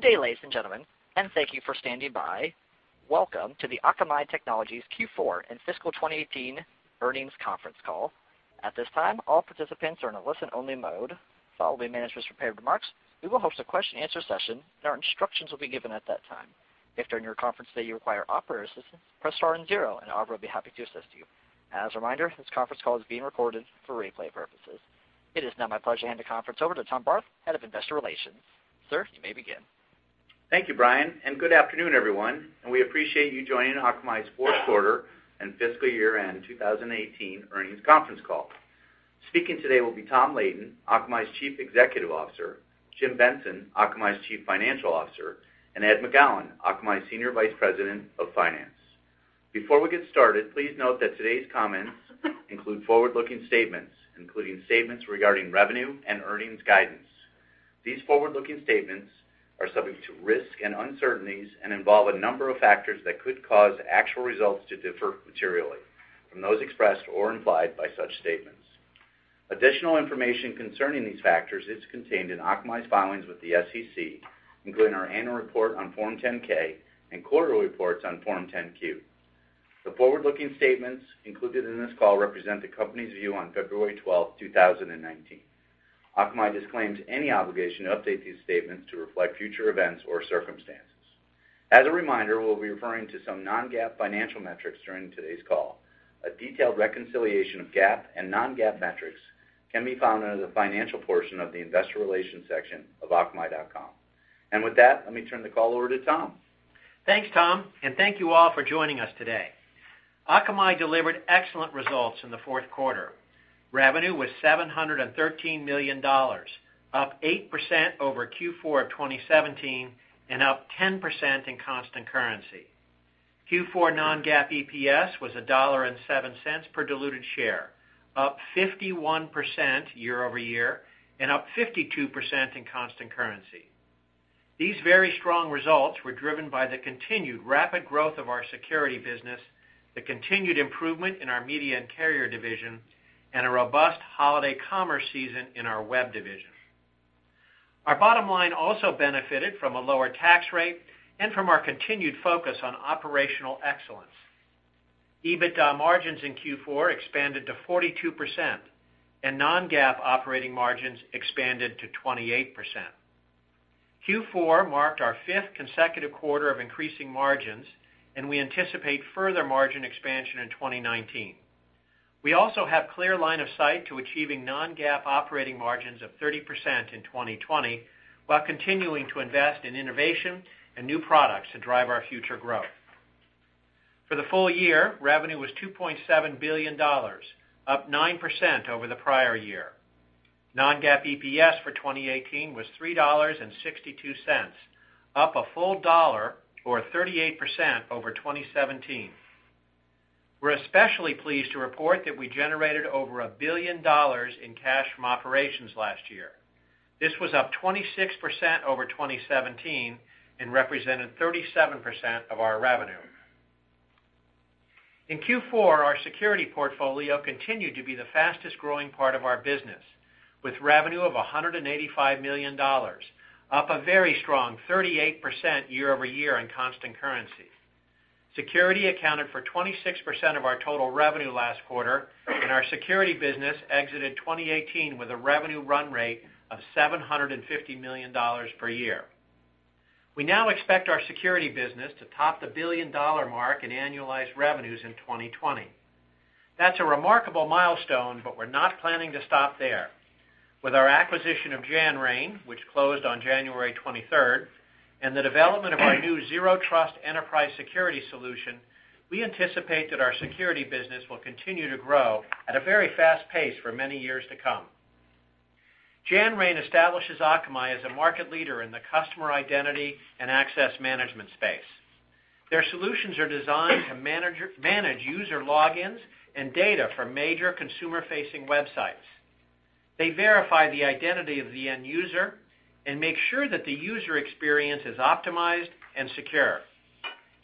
Good day, ladies and gentlemen, thank you for standing by. Welcome to the Akamai Technologies Q4 and Fiscal 2018 Earnings Conference Call. At this time, all participants are in a listen-only mode. Following management's prepared remarks, we will host a question-and-answer session, and our instructions will be given at that time. If during your conference today you require operator assistance, press star and zero, and an operator will be happy to assist you. As a reminder, this conference call is being recorded for replay purposes. It is now my pleasure to hand the conference over to Tom Barth, Head of Investor Relations. Sir, you may begin. Thank you, Brian. Good afternoon, everyone, and we appreciate you joining Akamai's Fourth Quarter and Fiscal Year-End 2018 Earnings Conference Call. Speaking today will be Tom Leighton, Akamai's Chief Executive Officer, Jim Benson, Akamai's Chief Financial Officer, and Ed McGowan, Akamai's Senior Vice President of Finance. Before we get started, please note that today's comments include forward-looking statements, including statements regarding revenue and earnings guidance. These forward-looking statements are subject to risks and uncertainties and involve a number of factors that could cause actual results to differ materially from those expressed or implied by such statements. Additional information concerning these factors is contained in Akamai's filings with the SEC, including our annual report on Form 10-K and quarterly reports on Form 10-Q. The forward-looking statements included in this call represent the company's view on February 12th, 2019. Akamai disclaims any obligation to update these statements to reflect future events or circumstances. As a reminder, we'll be referring to some non-GAAP financial metrics during today's call. A detailed reconciliation of GAAP and non-GAAP metrics can be found under the financial portion of the investor relations section of akamai.com. With that, let me turn the call over to Tom. Thanks, Tom. Thank you all for joining us today. Akamai delivered excellent results in the fourth quarter. Revenue was $713 million, up 8% over Q4 of 2017 and up 10% in constant currency. Q4 non-GAAP EPS was $1.07 per diluted share, up 51% year-over-year and up 52% in constant currency. These very strong results were driven by the continued rapid growth of our security business, the continued improvement in our media and carrier division, and a robust holiday commerce season in our web division. Our bottom line also benefited from a lower tax rate and from our continued focus on operational excellence. EBITDA margins in Q4 expanded to 42%, and non-GAAP operating margins expanded to 28%. Q4 marked our fifth consecutive quarter of increasing margins, and we anticipate further margin expansion in 2019. We also have clear line of sight to achieving non-GAAP operating margins of 30% in 2020 while continuing to invest in innovation and new products to drive our future growth. For the full year, revenue was $2.7 billion, up 9% over the prior year. Non-GAAP EPS for 2018 was $3.62, up a full dollar, or 38%, over 2017. We're especially pleased to report that we generated over a billion dollars in cash from operations last year. This was up 26% over 2017 and represented 37% of our revenue. In Q4, our security portfolio continued to be the fastest-growing part of our business, with revenue of $185 million, up a very strong 38% year-over-year in constant currency. Security accounted for 26% of our total revenue last quarter, and our security business exited 2018 with a revenue run rate of $750 million per year. We now expect our security business to top the billion-dollar mark in annualized revenues in 2020. That's a remarkable milestone, but we're not planning to stop there. With our acquisition of Janrain, which closed on January 23rd, and the development of our new Zero Trust enterprise security solution, we anticipate that our security business will continue to grow at a very fast pace for many years to come. Janrain establishes Akamai as a market leader in the customer identity and access management space. Their solutions are designed to manage user logins and data for major consumer-facing websites. They verify the identity of the end user and make sure that the user experience is optimized and secure.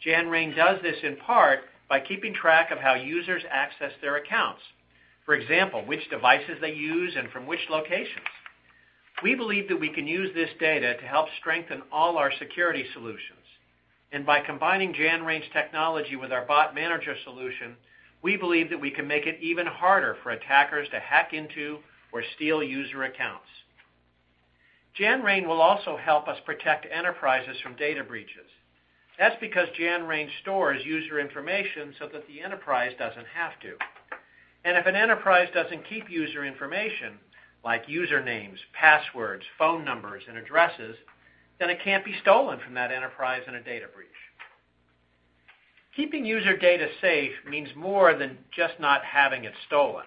Janrain does this in part by keeping track of how users access their accounts. For example, which devices they use and from which locations. We believe that we can use this data to help strengthen all our security solutions. By combining Janrain's technology with our Bot Manager solution, we believe that we can make it even harder for attackers to hack into or steal user accounts. Janrain will also help us protect enterprises from data breaches. That's because Janrain stores user information so that the enterprise doesn't have to. If an enterprise doesn't keep user information like usernames, passwords, phone numbers, and addresses, then it can't be stolen from that enterprise in a data breach. Keeping user data safe means more than just not having it stolen.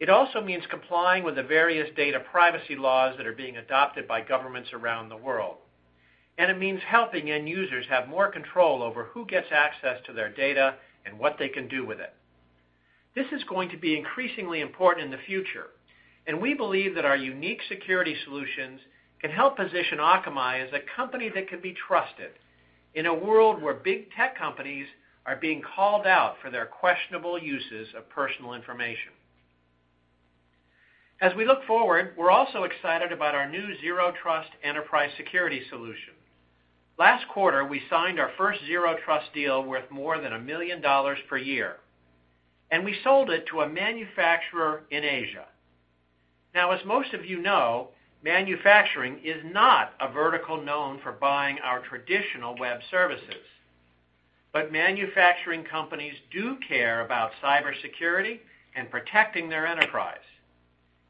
It also means complying with the various data privacy laws that are being adopted by governments around the world, and it means helping end users have more control over who gets access to their data and what they can do with it. This is going to be increasingly important in the future. We believe that our unique security solutions can help position Akamai as a company that can be trusted in a world where big tech companies are being called out for their questionable uses of personal information. As we look forward, we're also excited about our new Zero Trust enterprise security solution. Last quarter, we signed our first Zero Trust deal worth more than $1 million per year. We sold it to a manufacturer in Asia. Now, as most of you know, manufacturing is not a vertical known for buying our traditional web services. Manufacturing companies do care about cybersecurity and protecting their enterprise.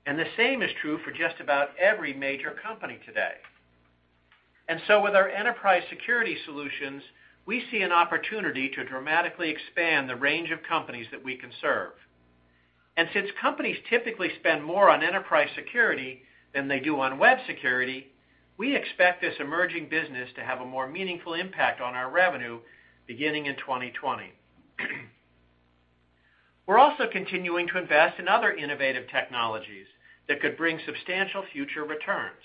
The same is true for just about every major company today. With our enterprise security solutions, we see an opportunity to dramatically expand the range of companies that we can serve. Since companies typically spend more on enterprise security than they do on web security, we expect this emerging business to have a more meaningful impact on our revenue beginning in 2020. We're also continuing to invest in other innovative technologies that could bring substantial future returns.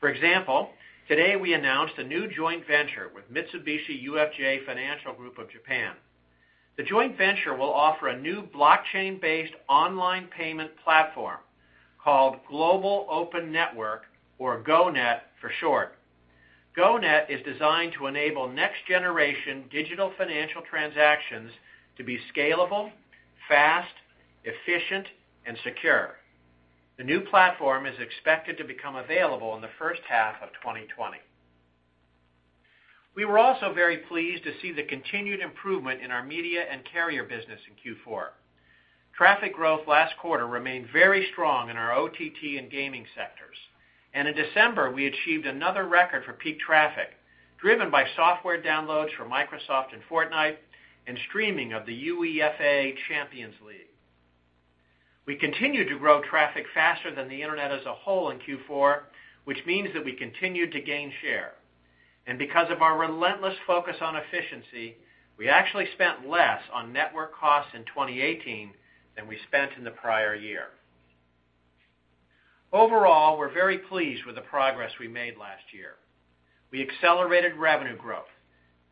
For example, today we announced a new joint venture with Mitsubishi UFJ Financial Group of Japan. The joint venture will offer a new blockchain-based online payment platform called Global Open Network, or GO-NET for short. GO-NET is designed to enable next-generation digital financial transactions to be scalable, fast, efficient, and secure. The new platform is expected to become available in the first half of 2020. We were also very pleased to see the continued improvement in our media and carrier business in Q4. Traffic growth last quarter remained very strong in our OTT and gaming sectors. In December, we achieved another record for peak traffic, driven by software downloads from Microsoft and Fortnite and streaming of the UEFA Champions League. We continued to grow traffic faster than the Internet as a whole in Q4, which means that we continued to gain share. Because of our relentless focus on efficiency, we actually spent less on network costs in 2018 than we spent in the prior year. Overall, we're very pleased with the progress we made last year. We accelerated revenue growth,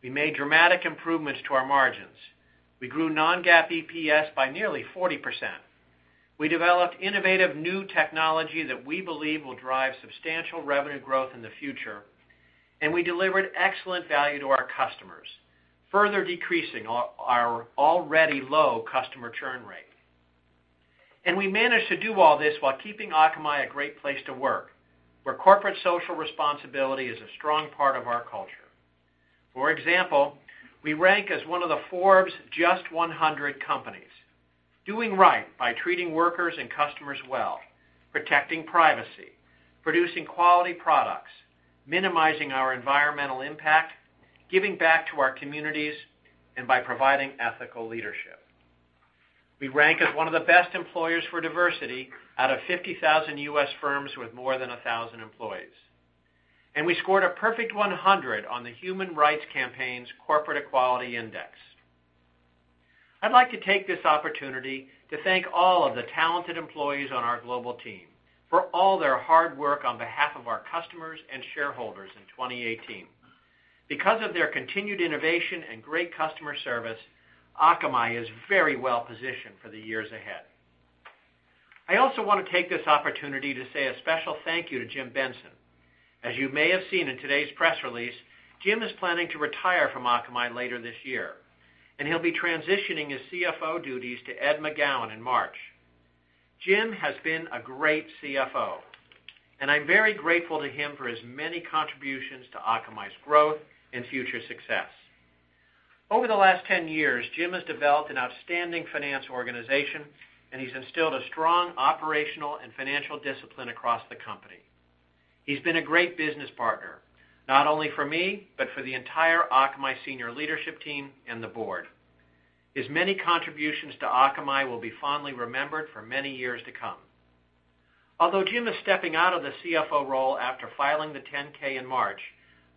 we made dramatic improvements to our margins, we grew non-GAAP EPS by nearly 40%, we developed innovative new technology that we believe will drive substantial revenue growth in the future. We delivered excellent value to our customers, further decreasing our already low customer churn rate. We managed to do all this while keeping Akamai a great place to work, where corporate social responsibility is a strong part of our culture. For example, we rank as one of the Forbes Just 100 companies, doing right by treating workers and customers well, protecting privacy, producing quality products, minimizing our environmental impact, giving back to our communities, and by providing ethical leadership. We rank as one of the best employers for diversity out of 50,000 U.S. firms with more than 1,000 employees. We scored a perfect 100 on the Human Rights Campaign's Corporate Equality Index. I'd like to take this opportunity to thank all of the talented employees on our global team for all their hard work on behalf of our customers and shareholders in 2018. Because of their continued innovation and great customer service, Akamai is very well-positioned for the years ahead. I also want to take this opportunity to say a special thank you to Jim Benson. As you may have seen in today's press release, Jim is planning to retire from Akamai later this year, and he'll be transitioning his CFO duties to Ed McGowan in March. Jim has been a great CFO, and I'm very grateful to him for his many contributions to Akamai's growth and future success. Over the last 10 years, Jim has developed an outstanding finance organization, and he's instilled a strong operational and financial discipline across the company. He's been a great business partner, not only for me, but for the entire Akamai senior leadership team and the board. His many contributions to Akamai will be fondly remembered for many years to come. Although Jim is stepping out of the CFO role after filing the 10-K in March,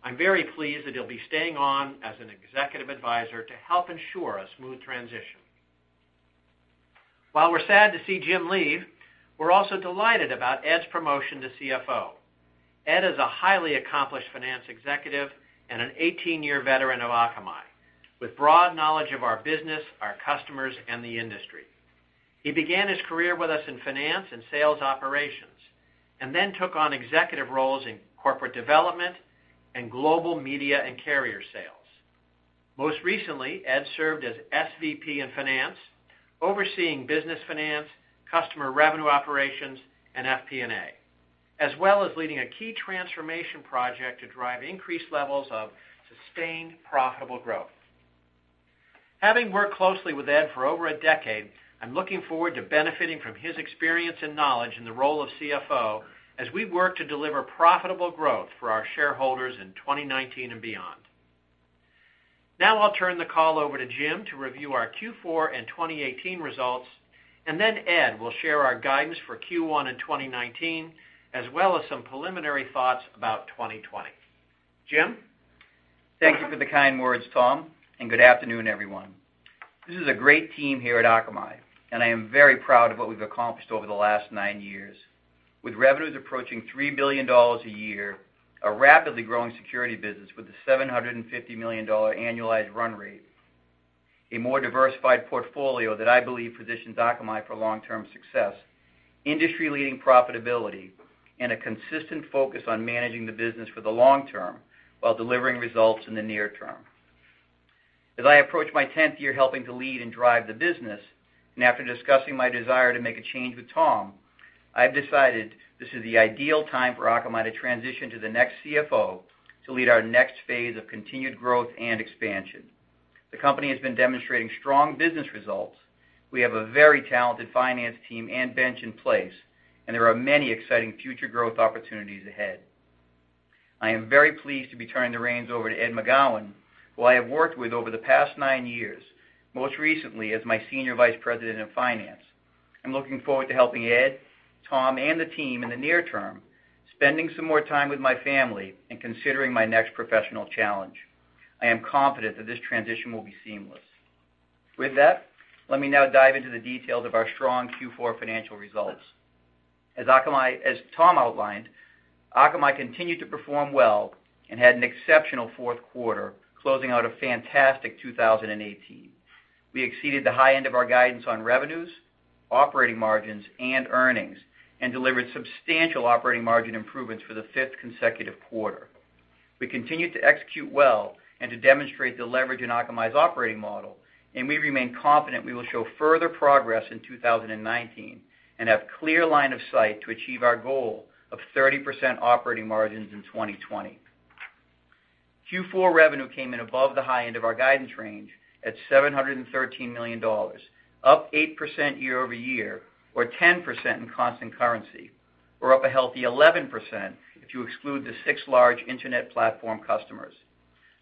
I'm very pleased that he'll be staying on as an executive advisor to help ensure a smooth transition. While we're sad to see Jim leave, we're also delighted about Ed's promotion to CFO. Ed is a highly accomplished finance executive and an 18-year veteran of Akamai, with broad knowledge of our business, our customers, and the industry. He began his career with us in finance and sales operations. Then took on executive roles in corporate development and global media and carrier sales. Most recently, Ed served as SVP in finance, overseeing business finance, customer revenue operations, and FP&A, as well as leading a key transformation project to drive increased levels of sustained profitable growth. Having worked closely with Ed for over a decade, I'm looking forward to benefiting from his experience and knowledge in the role of CFO as we work to deliver profitable growth for our shareholders in 2019 and beyond. Now I'll turn the call over to Jim to review our Q4 and 2018 results. Then Ed will share our guidance for Q1 in 2019, as well as some preliminary thoughts about 2020. Jim? Thank you for the kind words, Tom. Good afternoon, everyone. This is a great team here at Akamai, and I am very proud of what we've accomplished over the last nine years. With revenues approaching $3 billion a year, a rapidly growing security business with a $750 million annualized run rate. A more diversified portfolio that I believe positions Akamai for long-term success, industry-leading profitability, and a consistent focus on managing the business for the long term while delivering results in the near term. As I approach my 10th year helping to lead and drive the business, after discussing my desire to make a change with Tom, I've decided this is the ideal time for Akamai to transition to the next CFO to lead our next phase of continued growth and expansion. The company has been demonstrating strong business results. We have a very talented finance team and bench in place. There are many exciting future growth opportunities ahead. I am very pleased to be turning the reins over to Ed McGowan, who I have worked with over the past nine years, most recently as my Senior Vice President of Finance. I'm looking forward to helping Ed, Tom, and the team in the near term, spending some more time with my family, considering my next professional challenge. I am confident that this transition will be seamless. With that, let me now dive into the details of our strong Q4 financial results. As Tom outlined, Akamai continued to perform well and had an exceptional fourth quarter, closing out a fantastic 2018. We exceeded the high end of our guidance on revenues, operating margins, and earnings, delivered substantial operating margin improvements for the fifth consecutive quarter. We continued to execute well and to demonstrate the leverage in Akamai's operating model. We remain confident we will show further progress in 2019 and have clear line of sight to achieve our goal of 30% operating margins in 2020. Q4 revenue came in above the high end of our guidance range at $713 million, up 8% year-over-year or 10% in constant currency. We are up a healthy 11% if you exclude the six large internet platform customers.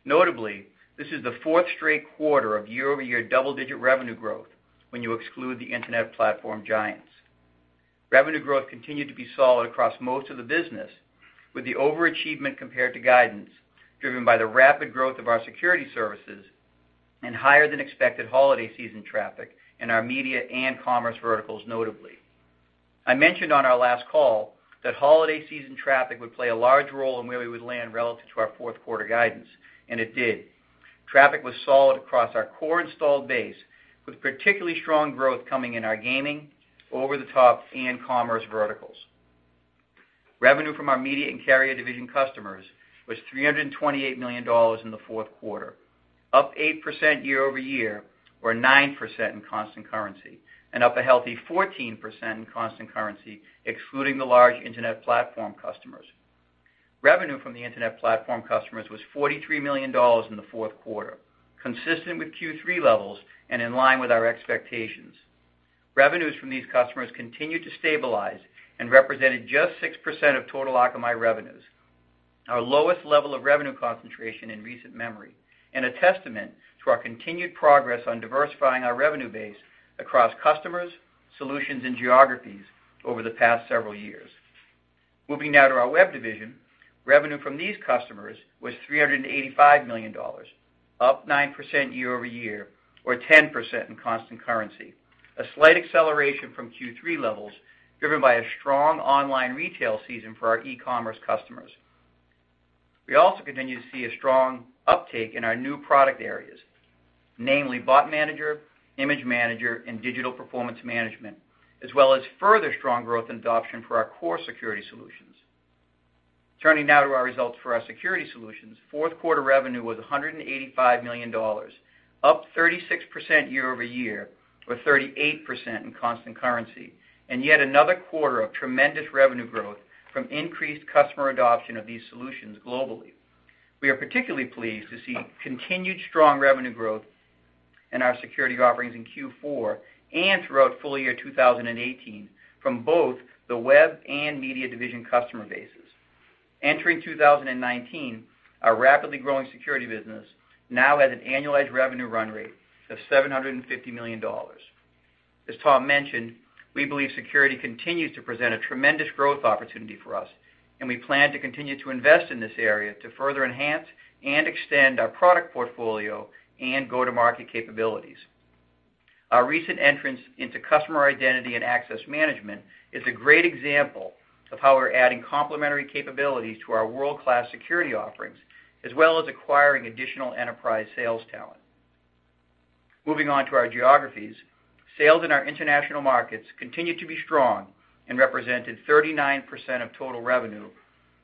Notably, this is the fourth straight quarter of year-over-year double-digit revenue growth when you exclude the internet platform giants. Revenue growth continued to be solid across most of the business, with the overachievement compared to guidance driven by the rapid growth of our security services and higher than expected holiday season traffic in our media and commerce verticals notably. I mentioned on our last call that holiday season traffic would play a large role in where we would land relative to our fourth quarter guidance, and it did. Traffic was solid across our core installed base, with particularly strong growth coming in our gaming, over-the-top, and commerce verticals. Revenue from our media and carrier division customers was $328 million in the fourth quarter, up 8% year-over-year, or 9% in constant currency. It was up a healthy 14% in constant currency excluding the large internet platform customers. Revenue from the internet platform customers was $43 million in the fourth quarter, consistent with Q3 levels and in line with our expectations. Revenues from these customers continued to stabilize and represented just 6% of total Akamai revenues, our lowest level of revenue concentration in recent memory, a testament to our continued progress on diversifying our revenue base across customers, solutions, and geographies over the past several years. Moving now to our web division, revenue from these customers was $385 million, up 9% year-over-year, or 10% in constant currency, a slight acceleration from Q3 levels driven by a strong online retail season for our e-commerce customers. We also continue to see a strong uptake in our new product areas, namely Bot Manager, Image Manager and Digital Performance Management, as well as further strong growth and adoption for our core security solutions. Turning now to our results for our security solutions, fourth quarter revenue was $185 million, up 36% year-over-year, or 38% in constant currency, yet another quarter of tremendous revenue growth from increased customer adoption of these solutions globally. We are particularly pleased to see continued strong revenue growth in our security offerings in Q4 and throughout full year 2018 from both the web and media division customer bases. Entering 2019, our rapidly growing security business now has an annualized revenue run rate of $750 million. As Tom mentioned, we believe security continues to present a tremendous growth opportunity for us. We plan to continue to invest in this area to further enhance and extend our product portfolio and go-to-market capabilities. Our recent entrance into customer identity and access management is a great example of how we're adding complementary capabilities to our world-class security offerings, as well as acquiring additional enterprise sales talent. Moving on to our geographies, sales in our international markets continued to be strong and represented 39% of total revenue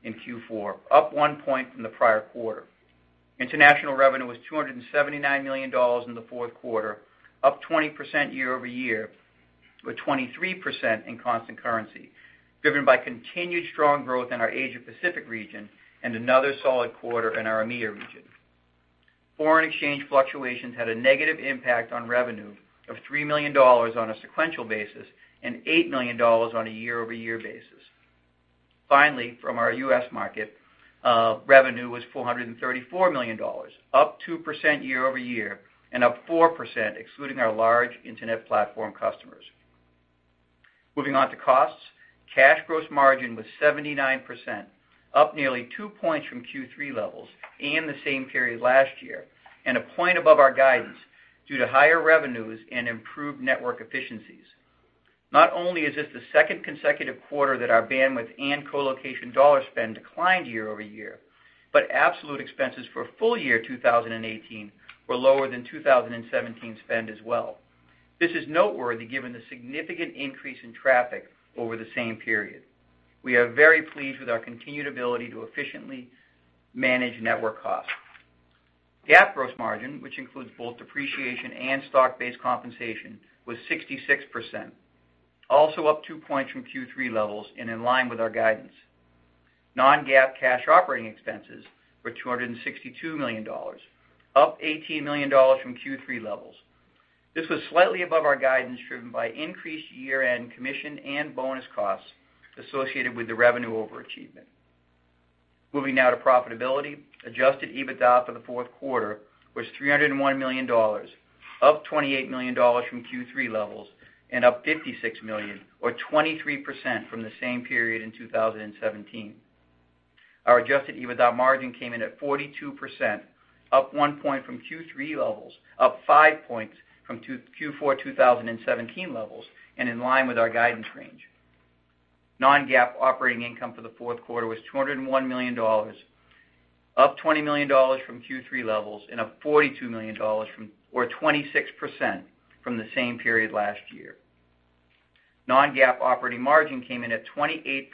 in Q4, up one point from the prior quarter. International revenue was $279 million in the fourth quarter, up 20% year-over-year, or 23% in constant currency, driven by continued strong growth in our Asia Pacific region and another solid quarter in our EMEA region. Foreign exchange fluctuations had a negative impact on revenue of $3 million on a sequential basis and $8 million on a year-over-year basis. Finally, from our U.S. market, revenue was $434 million, up 2% year-over-year and up 4% excluding our large internet platform customers. Moving on to costs, cash gross margin was 79%, up nearly two points from Q3 levels and the same period last year, and a point above our guidance due to higher revenues and improved network efficiencies. Not only is this the second consecutive quarter that our bandwidth and colocation dollar spend declined year-over-year, but absolute expenses for full year 2018 were lower than 2017 spend as well. This is noteworthy given the significant increase in traffic over the same period. We are very pleased with our continued ability to efficiently manage network costs. GAAP gross margin, which includes both depreciation and stock-based compensation, was 66%, also up two points from Q3 levels and in line with our guidance. Non-GAAP cash operating expenses were $262 million, up $18 million from Q3 levels. This was slightly above our guidance, driven by increased year-end commission and bonus costs associated with the revenue overachievement. Moving now to profitability. Adjusted EBITDA for the fourth quarter was $301 million, up $28 million from Q3 levels, and up $56 million or 23% from the same period in 2017. Our adjusted EBITDA margin came in at 42%, up one point from Q3 levels, up five points from Q4 2017 levels, and in line with our guidance range. Non-GAAP operating income for the fourth quarter was $201 million, up $20 million from Q3 levels, and up $42 million or 26% from the same period last year. Non-GAAP operating margin came in at 28%,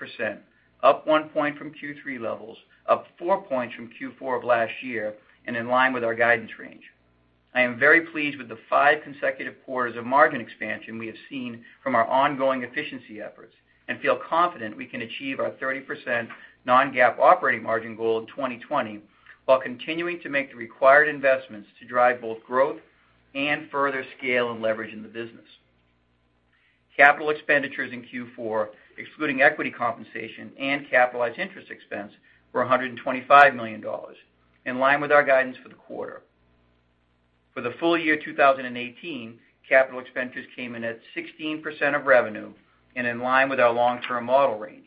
up one point from Q3 levels, up four points from Q4 of last year, and in line with our guidance range. I am very pleased with the five consecutive quarters of margin expansion we have seen from our ongoing efficiency efforts, and feel confident we can achieve our 30% non-GAAP operating margin goal in 2020 while continuing to make the required investments to drive both growth and further scale and leverage in the business. Capital expenditures in Q4, excluding equity compensation and capitalized interest expense, were $125 million, in line with our guidance for the quarter. For the full year 2018, capital expenditures came in at 16% of revenue, and in line with our long-term model range.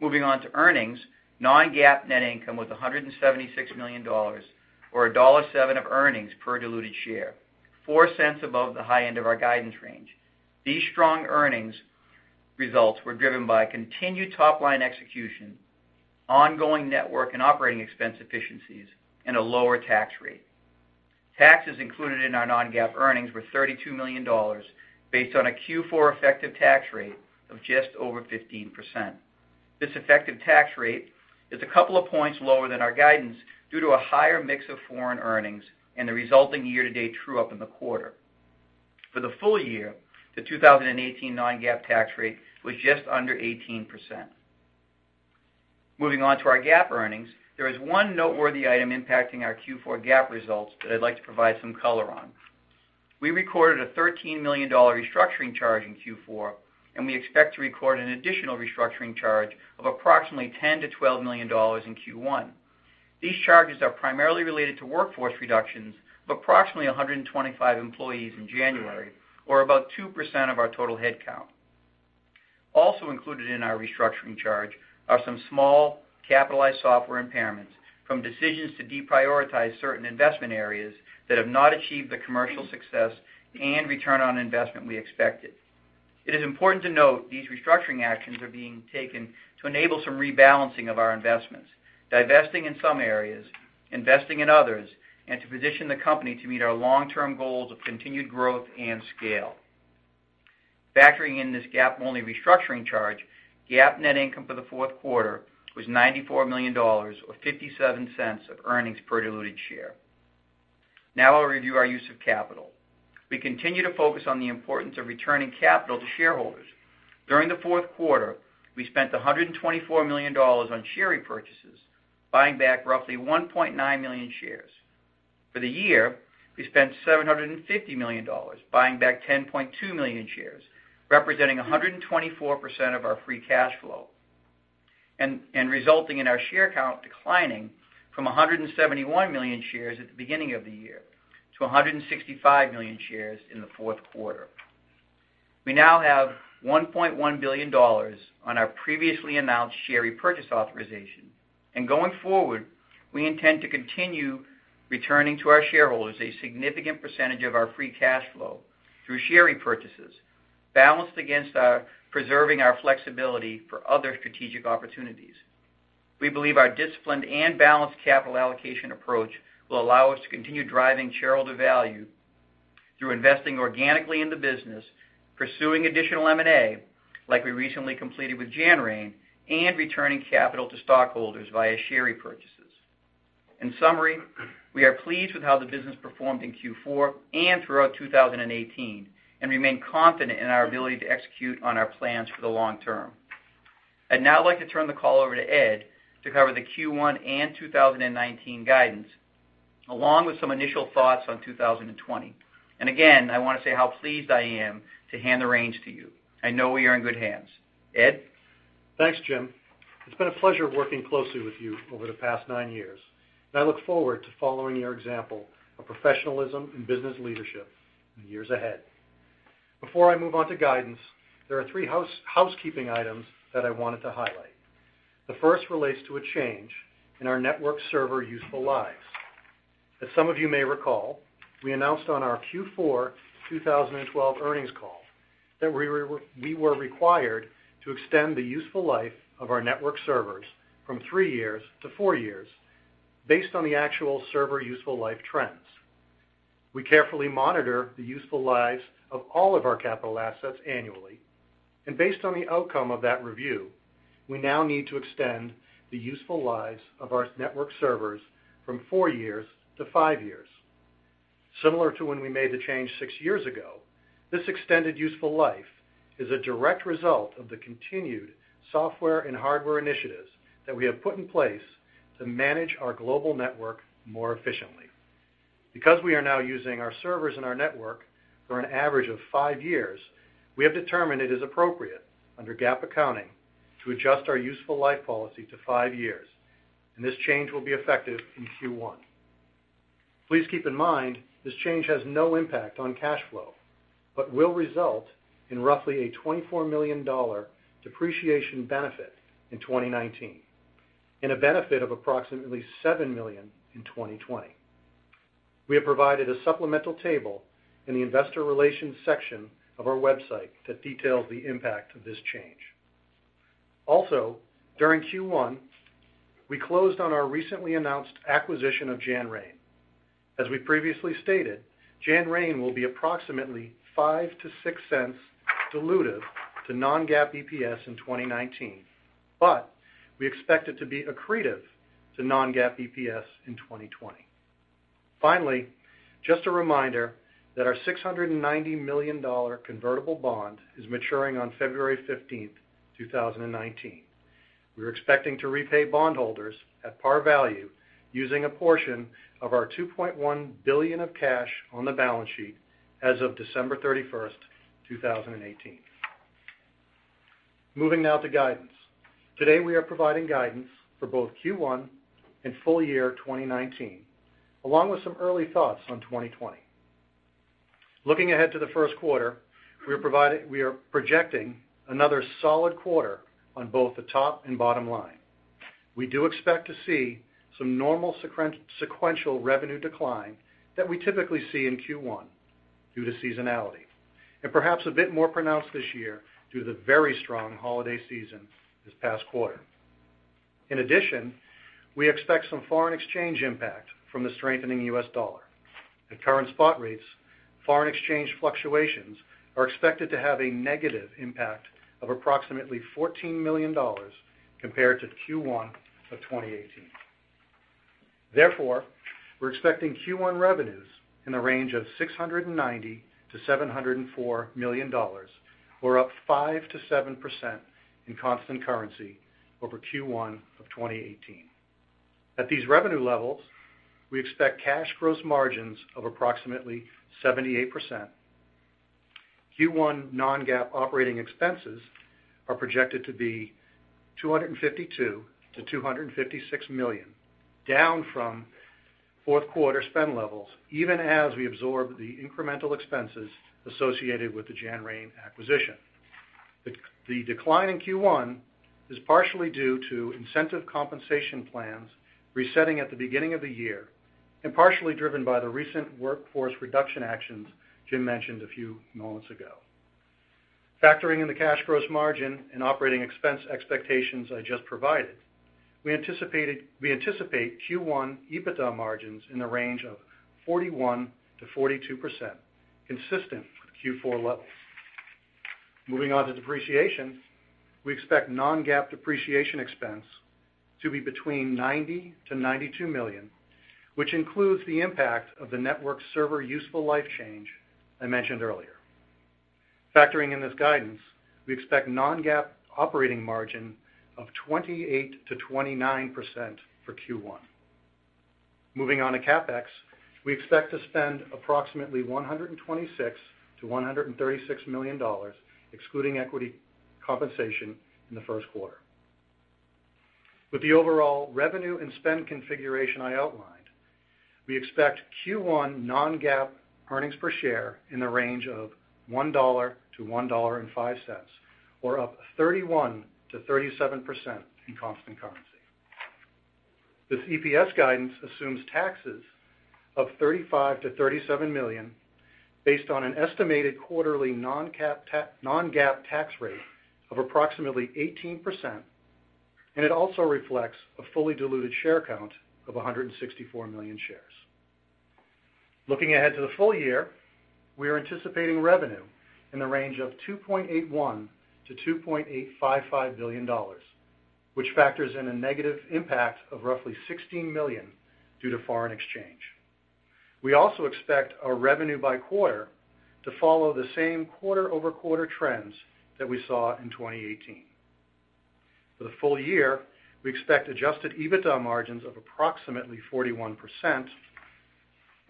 Moving on to earnings. Non-GAAP net income was $176 million, or $1.07 of earnings per diluted share, $0.04 above the high end of our guidance range. These strong earnings results were driven by continued top-line execution, ongoing network and operating expense efficiencies, and a lower tax rate. Taxes included in our non-GAAP earnings were $32 million, based on a Q4 effective tax rate of just over 15%. This effective tax rate is a couple of points lower than our guidance due to a higher mix of foreign earnings and the resulting year-to-date true-up in the quarter. For the full year, the 2018 non-GAAP tax rate was just under 18%. Moving on to our GAAP earnings. There is one noteworthy item impacting our Q4 GAAP results that I'd like to provide some color on. We recorded a $13 million restructuring charge in Q4, and we expect to record an additional restructuring charge of approximately $10 million-$12 million in Q1. These charges are primarily related to workforce reductions of approximately 125 employees in January, or about 2% of our total headcount. Also included in our restructuring charge are some small capitalized software impairments from decisions to deprioritize certain investment areas that have not achieved the commercial success and return on investment we expected. It is important to note these restructuring actions are being taken to enable some rebalancing of our investments, divesting in some areas, investing in others, and to position the company to meet our long-term goals of continued growth and scale. Factoring in this GAAP-only restructuring charge, GAAP net income for the fourth quarter was $94 million, or $0.57 of earnings per diluted share. Now I'll review our use of capital. We continue to focus on the importance of returning capital to shareholders. During the fourth quarter, we spent $124 million on share repurchases, buying back roughly 1.9 million shares. For the year, we spent $750 million buying back 10.2 million shares, representing 124% of our free cash flow and resulting in our share count declining from 171 million shares at the beginning of the year to 165 million shares in the fourth quarter. We now have $1.1 billion on our previously announced share repurchase authorization. Going forward, we intend to continue returning to our shareholders a significant percentage of our free cash flow through share repurchases, balanced against preserving our flexibility for other strategic opportunities. We believe our disciplined and balanced capital allocation approach will allow us to continue driving shareholder value through investing organically in the business, pursuing additional M&A, like we recently completed with Janrain, and returning capital to stockholders via share repurchases. In summary, we are pleased with how the business performed in Q4 and throughout 2018, and remain confident in our ability to execute on our plans for the long term. I'd now like to turn the call over to Ed to cover the Q1 and 2019 guidance, along with some initial thoughts on 2020. Again, I want to say how pleased I am to hand the reins to you. I know we are in good hands. Ed? Thanks, Jim. It's been a pleasure working closely with you over the past nine years, and I look forward to following your example of professionalism and business leadership in the years ahead. Before I move on to guidance, there are three housekeeping items that I wanted to highlight. The first relates to a change in our network server useful lives. As some of you may recall, we announced on our Q4 2012 earnings call that we were required to extend the useful life of our network servers from three years to four years based on the actual server useful life trends. We carefully monitor the useful lives of all of our capital assets annually, and based on the outcome of that review, we now need to extend the useful lives of our network servers from four years to five years. Similar to when we made the change six years ago, this extended useful life is a direct result of the continued software and hardware initiatives that we have put in place to manage our global network more efficiently. Because we are now using our servers and our network for an average of five years, we have determined it is appropriate under GAAP accounting to adjust our useful life policy to five years, and this change will be effective in Q1. Please keep in mind, this change has no impact on cash flow, but will result in roughly a $24 million depreciation benefit in 2019, and a benefit of approximately $7 million in 2020. We have provided a supplemental table in the investor relations section of our website that details the impact of this change. Also, during Q1, we closed on our recently announced acquisition of Janrain. As we previously stated, Janrain will be approximately $0.05-$0.06 dilutive to non-GAAP EPS in 2019, but we expect it to be accretive to non-GAAP EPS in 2020. Finally, just a reminder that our $690 million convertible bond is maturing on February 15th, 2019. We are expecting to repay bondholders at par value using a portion of our $2.1 billion of cash on the balance sheet as of December 31st, 2018. Moving now to guidance. Today we are providing guidance for both Q1 and full year 2019, along with some early thoughts on 2020. Looking ahead to the first quarter, we are projecting another solid quarter on both the top and bottom line. We do expect to see some normal sequential revenue decline that we typically see in Q1 due to seasonality, and perhaps a bit more pronounced this year due to the very strong holiday season this past quarter. In addition, we expect some foreign exchange impact from the strengthening U.S. dollar. At current spot rates, foreign exchange fluctuations are expected to have a negative impact of approximately $14 million compared to Q1 of 2018. Therefore, we're expecting Q1 revenues in the range of $690 million-$704 million, or up 5%-7% in constant currency over Q1 of 2018. At these revenue levels, we expect cash gross margins of approximately 78%. Q1 non-GAAP operating expenses are projected to be $252 million-$256 million, down from fourth quarter spend levels, even as we absorb the incremental expenses associated with the Janrain acquisition. The decline in Q1 is partially due to incentive compensation plans resetting at the beginning of the year, and partially driven by the recent workforce reduction actions Jim mentioned a few moments ago. Factoring in the cash gross margin and operating expense expectations I just provided, we anticipate Q1 EBITDA margins in the range of 41%-42%, consistent with Q4 levels. Moving on to depreciation, we expect non-GAAP depreciation expense to be between $90 million-$92 million, which includes the impact of the network server useful life change I mentioned earlier. Factoring in this guidance, we expect non-GAAP operating margin of 28%-29% for Q1. Moving on to CapEx, we expect to spend approximately $126 million-$136 million, excluding equity compensation, in the first quarter. With the overall revenue and spend configuration I outlined, we expect Q1 non-GAAP earnings per share in the range of $1.00-$1.05, or up 31%-37% in constant currency. This EPS guidance assumes taxes of $35 million-$37 million, based on an estimated quarterly non-GAAP tax rate of approximately 18%, and it also reflects a fully diluted share count of 164 million shares. Looking ahead to the full year, we are anticipating revenue in the range of $2.81 billion-$2.855 billion, which factors in a negative impact of roughly $16 million due to foreign exchange. We also expect our revenue by quarter to follow the same quarter-over-quarter trends that we saw in 2018. For the full year, we expect adjusted EBITDA margins of approximately 41%,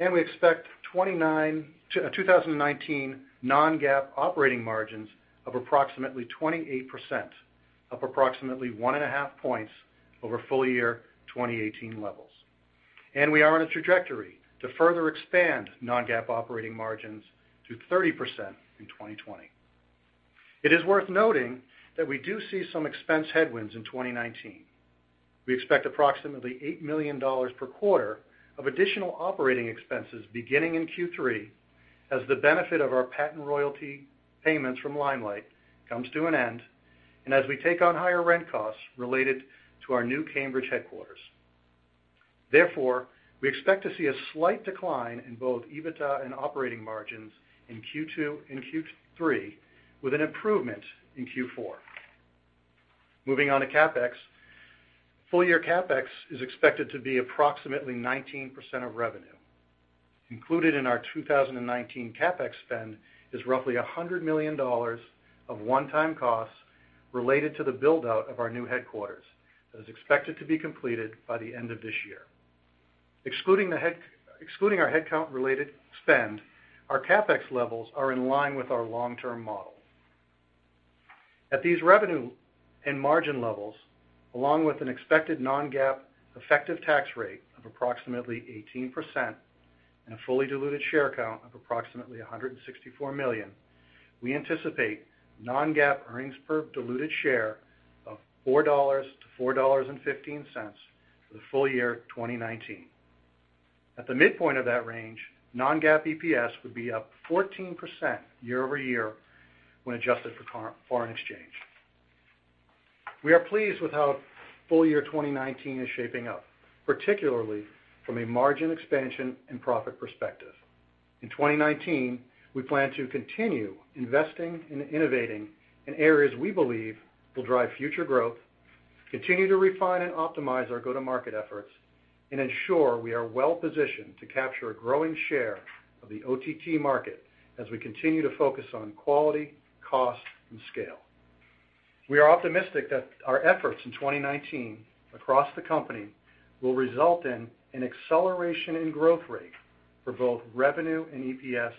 and we expect 2019 non-GAAP operating margins of approximately 28%, up approximately one and a half points over full year 2018 levels. We are on a trajectory to further expand non-GAAP operating margins to 30% in 2020. It is worth noting that we do see some expense headwinds in 2019. We expect approximately $8 million per quarter of additional operating expenses beginning in Q3 as the benefit of our patent royalty payments from Limelight comes to an end, and as we take on higher rent costs related to our new Cambridge headquarters. Therefore, we expect to see a slight decline in both EBITDA and operating margins in Q2 and Q3, with an improvement in Q4. Moving on to CapEx. Full year CapEx is expected to be approximately 19% of revenue. Included in our 2019 CapEx spend is roughly $100 million of one-time costs related to the build-out of our new headquarters. That is expected to be completed by the end of this year. Excluding our headcount related spend, our CapEx levels are in line with our long-term model. At these revenue and margin levels, along with an expected non-GAAP effective tax rate of approximately 18% and a fully diluted share count of approximately 164 million, we anticipate non-GAAP earnings per diluted share of $4.00-$4.15 for the full year 2019. At the midpoint of that range, non-GAAP EPS would be up 14% year-over-year when adjusted for foreign exchange. We are pleased with how full year 2019 is shaping up, particularly from a margin expansion and profit perspective. In 2019, we plan to continue investing and innovating in areas we believe will drive future growth, continue to refine and optimize our go-to-market efforts, and ensure we are well-positioned to capture a growing share of the OTT market as we continue to focus on quality, cost, and scale. We are optimistic that our efforts in 2019 across the company will result in an acceleration in growth rate for both revenue and EPS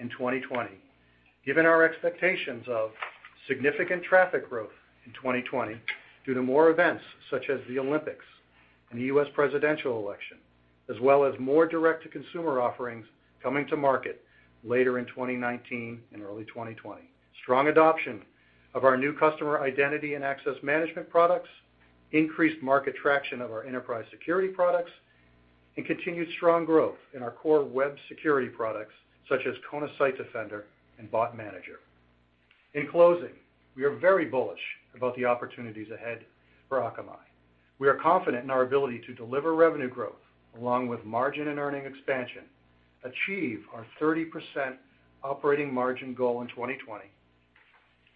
in 2020, given our expectations of significant traffic growth in 2020 due to more events such as the Olympics and the U.S. presidential election, as well as more direct-to-consumer offerings coming to market later in 2019 and early 2020. Strong adoption of our new customer identity and access management products, increased market traction of our enterprise security products, and continued strong growth in our core web security products such as Kona Site Defender and Bot Manager. In closing, we are very bullish about the opportunities ahead for Akamai. We are confident in our ability to deliver revenue growth along with margin and earning expansion, achieve our 30% operating margin goal in 2020,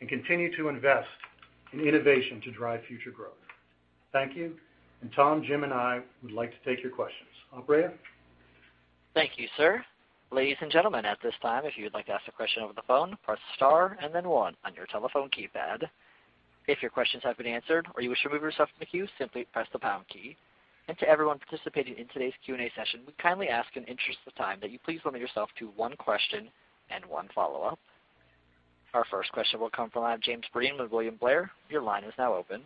and continue to invest in innovation to drive future growth. Thank you. Tom, Jim, and I would like to take your questions. Operator? Thank you, sir. Ladies and gentlemen, at this time, if you'd like to ask a question over the phone, press star and then one on your telephone keypad. If your questions have been answered or you wish to remove yourself from the queue, simply press the pound key. To everyone participating in today's Q&A session, we kindly ask in the interest of time that you please limit yourself to one question and one follow-up. Our first question will come from the line of James Breen with William Blair. Your line is now open.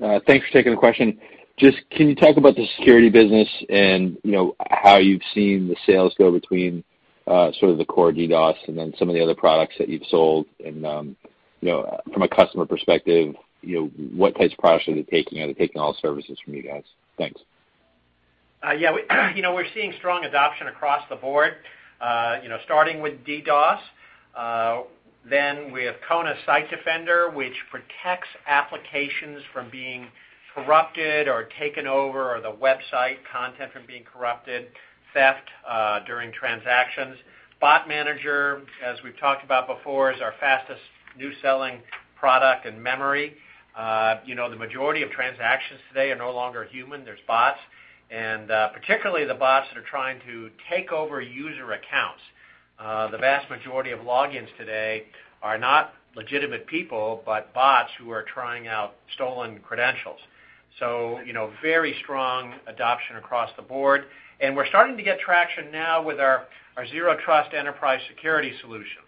Thanks for taking the question. Can you talk about the security business and how you've seen the sales go between sort of the core DDoS and then some of the other products that you've sold? From a customer perspective, what types of products are they taking? Are they taking all services from you guys? Thanks. Yeah. We're seeing strong adoption across the board, starting with DDoS. We have Kona Site Defender, which protects applications from being corrupted or taken over, or the website content from being corrupted, theft during transactions. Bot Manager, as we've talked about before, is our fastest new selling product in memory. The majority of transactions today are no longer human. There's bots, and particularly the bots that are trying to take over user accounts. The vast majority of logins today are not legitimate people, but bots who are trying out stolen credentials. Very strong adoption across the board, and we're starting to get traction now with our Zero Trust Enterprise Security solution.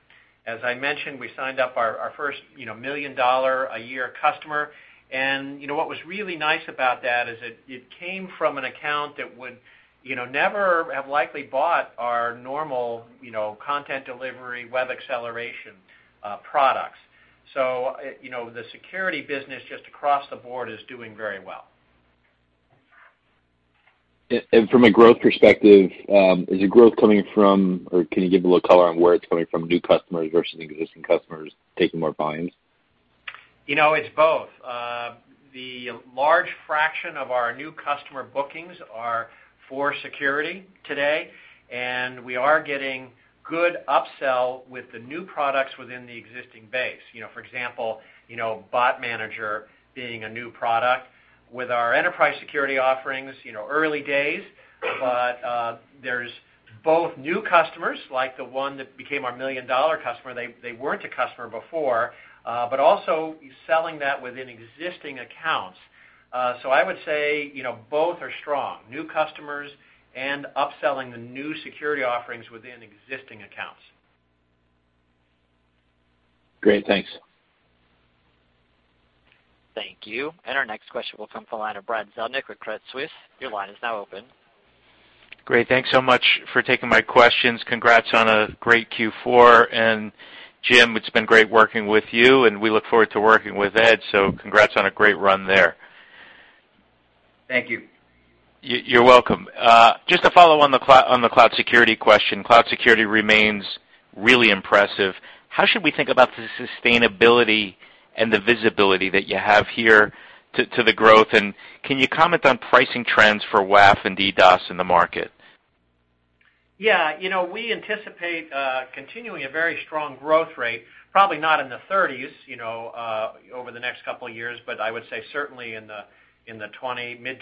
As I mentioned, we signed up our first $1 million a year customer. What was really nice about that is it came from an account that would never have likely bought our normal content delivery, web acceleration products. The security business just across the board is doing very well. From a growth perspective, is your growth coming from, or can you give a little color on where it's coming from, new customers versus existing customers taking more volumes? It's both. The large fraction of our new customer bookings are for security today, and we are getting good upsell with the new products within the existing base. For example, Bot Manager being a new product. With our enterprise security offerings, early days, but there's both new customers, like the one that became our million-dollar customer, they weren't a customer before, but also selling that within existing accounts. I would say both are strong, new customers and upselling the new security offerings within existing accounts. Great. Thanks. Thank you. Our next question will come from the line of Brad Zelnick with Credit Suisse. Your line is now open. Great. Thanks so much for taking my questions. Congrats on a great Q4. Jim, it's been great working with you, and we look forward to working with Ed, so congrats on a great run there. Thank you. You're welcome. Just to follow on the cloud security question, cloud security remains really impressive. How should we think about the sustainability and the visibility that you have here to the growth? Can you comment on pricing trends for WAF and DDoS in the market? Yeah. We anticipate continuing a very strong growth rate, probably not in the 30s, over the next couple of years, but I would say certainly in the mid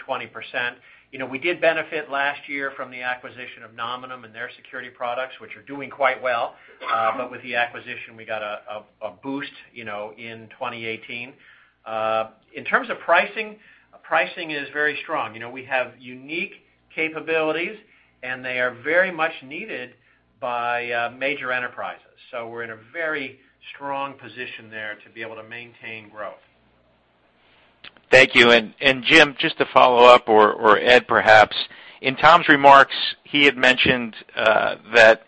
20%. We did benefit last year from the acquisition of Nominum and their security products, which are doing quite well. With the acquisition, we got a boost in 2018. In terms of pricing is very strong. We have unique capabilities, they are very much needed by major enterprises. We're in a very strong position there to be able to maintain growth. Thank you. Jim, just to follow up, or Ed perhaps, in Tom's remarks, he had mentioned that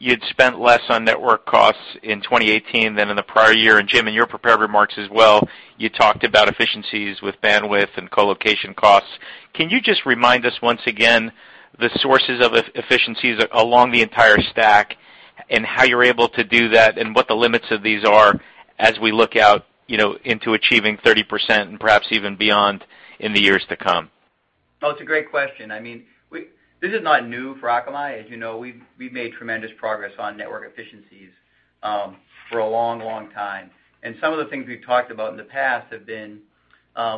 you'd spent less on network costs in 2018 than in the prior year. Jim, in your prepared remarks as well, you talked about efficiencies with bandwidth and co-location costs. Can you just remind us once again the sources of efficiencies along the entire stack and how you're able to do that and what the limits of these are as we look out into achieving 30% and perhaps even beyond in the years to come? Oh, it's a great question. This is not new for Akamai. As you know, we've made tremendous progress on network efficiencies for a long time. Some of the things we've talked about in the past have been,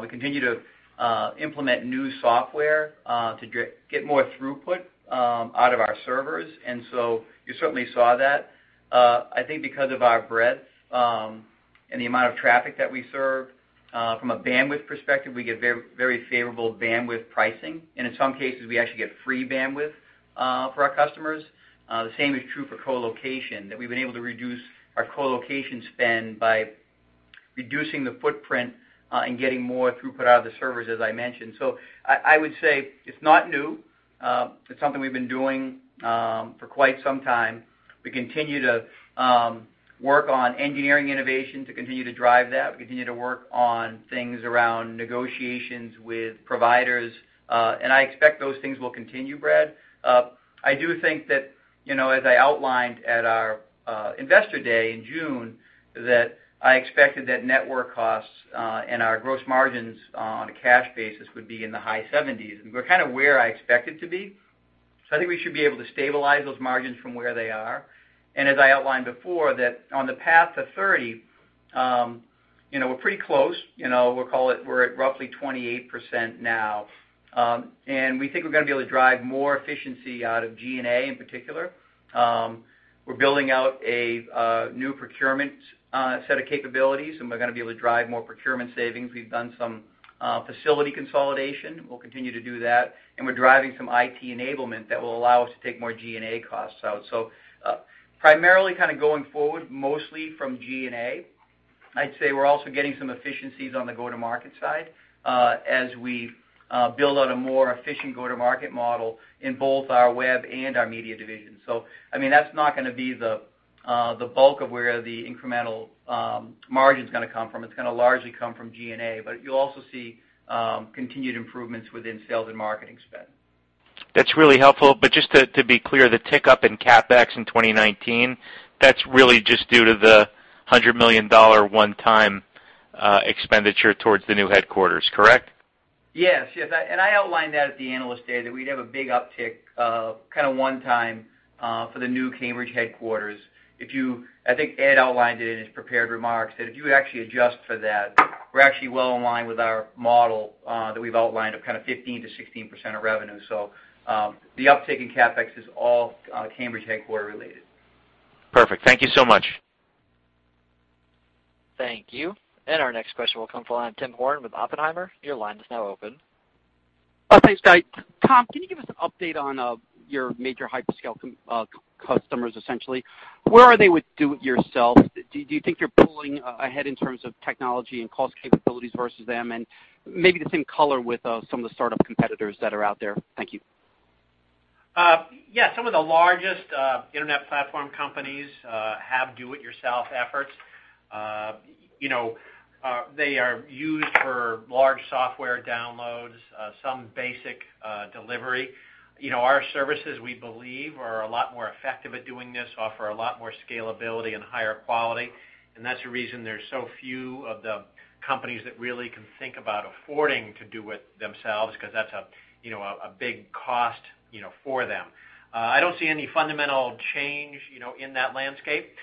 we continue to implement new software to get more throughput out of our servers, you certainly saw that. I think because of our breadth and the amount of traffic that we serve from a bandwidth perspective, we get very favorable bandwidth pricing, in some cases, we actually get free bandwidth for our customers. The same is true for co-location, that we've been able to reduce our co-location spend by reducing the footprint and getting more throughput out of the servers, as I mentioned. I would say it's not new. It's something we've been doing for quite some time. We continue to work on engineering innovation to continue to drive that. We continue to work on things around negotiations with providers. I expect those things will continue, Brad. I do think that, as I outlined at our investor day in June, I expected that network costs and our gross margins on a cash basis would be in the high 70s, and we're kind of where I expect it to be. I think we should be able to stabilize those margins from where they are. As I outlined before, on the path to 30, we're pretty close. We're at roughly 28% now. We think we're going to be able to drive more efficiency out of G&A in particular. We're building out a new procurement set of capabilities, and we're going to be able to drive more procurement savings. We've done some facility consolidation. We'll continue to do that. We're driving some IT enablement that will allow us to take more G&A costs out. Primarily going forward, mostly from G&A. I'd say we're also getting some efficiencies on the go-to-market side as we build out a more efficient go-to-market model in both our web and our media division. That's not going to be the bulk of where the incremental margin's going to come from. It's going to largely come from G&A. You'll also see continued improvements within sales and marketing spend. That's really helpful. Just to be clear, the tick up in CapEx in 2019, that's really just due to the $100 million one-time expenditure towards the new headquarters, correct? Yes. I outlined that at the analyst day that we'd have a big uptick, one time, for the new Cambridge headquarters. I think Ed outlined it in his prepared remarks, that if you actually adjust for that, we're actually well in line with our model that we've outlined of 15%-16% of revenue. The uptick in CapEx is all Cambridge headquarter related. Perfect. Thank you so much. Thank you. Our next question will come from the line of Tim Horan with Oppenheimer. Your line is now open. Thanks, guys. Tom, can you give us an update on your major hyperscale customers, essentially? Where are they with do-it-yourself? Do you think you're pulling ahead in terms of technology and cost capabilities versus them? Maybe the same color with some of the startup competitors that are out there. Thank you. Yeah, some of the largest internet platform companies have do-it-yourself efforts. They are used for large software downloads, some basic delivery. Our services, we believe, are a lot more effective at doing this, offer a lot more scalability and higher quality, that's the reason there's so few of the companies that really can think about affording to do it themselves, because that's a big cost for them. I don't see any fundamental change in that landscape.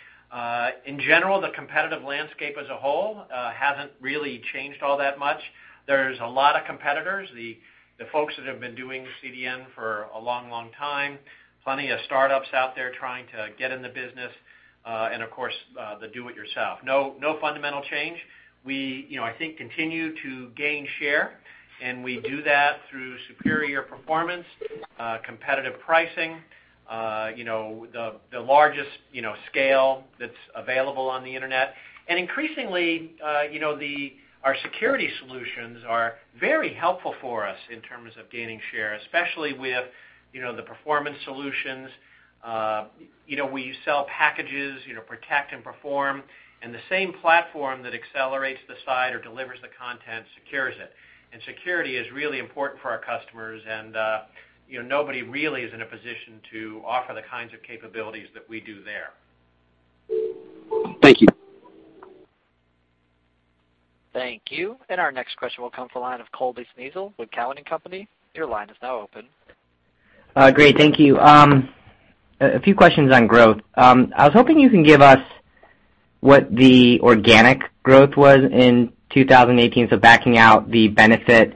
In general, the competitive landscape as a whole hasn't really changed all that much. There's a lot of competitors. The folks that have been doing CDN for a long time, plenty of startups out there trying to get in the business. Of course, the do-it-yourself. No fundamental change. We, I think, continue to gain share, and we do that through superior performance, competitive pricing, the largest scale that's available on the internet. Increasingly our security solutions are very helpful for us in terms of gaining share, especially with the performance solutions. We sell packages, Protect & Perform, and the same platform that accelerates the site or delivers the content secures it. Security is really important for our customers, and nobody really is in a position to offer the kinds of capabilities that we do there. Thank you. Thank you. Our next question will come from the line of Colby Synesael with Cowen and Company. Your line is now open. Great. Thank you. A few questions on growth. I was hoping you can give us what the organic growth was in 2018, so backing out the benefit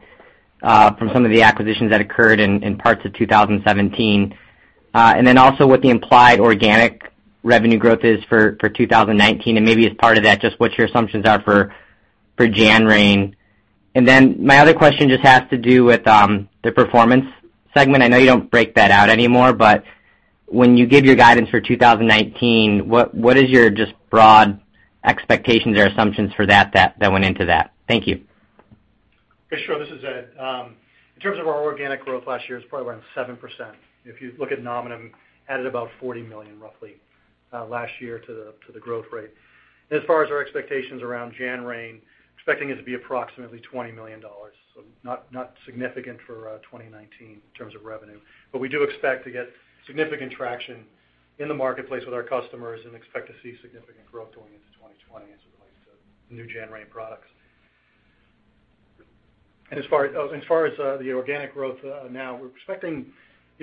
from some of the acquisitions that occurred in parts of 2017, and then also what the implied organic revenue growth is for 2019, and maybe as part of that, just what your assumptions are for Janrain. My other question just has to do with the performance segment. I know you don't break that out anymore, but when you give your guidance for 2019, what is your just broad expectations or assumptions for that went into that? Thank you. Sure. This is Ed. In terms of our organic growth last year, it was probably around 7%. If you look at Nominum, added about $40 million roughly last year to the growth rate. As far as our expectations around Janrain, expecting it to be approximately $20 million. Not significant for 2019 in terms of revenue. We do expect to get significant traction in the marketplace with our customers and expect to see significant growth going into 2020 as it relates to new Janrain products. As far as the organic growth now, we're expecting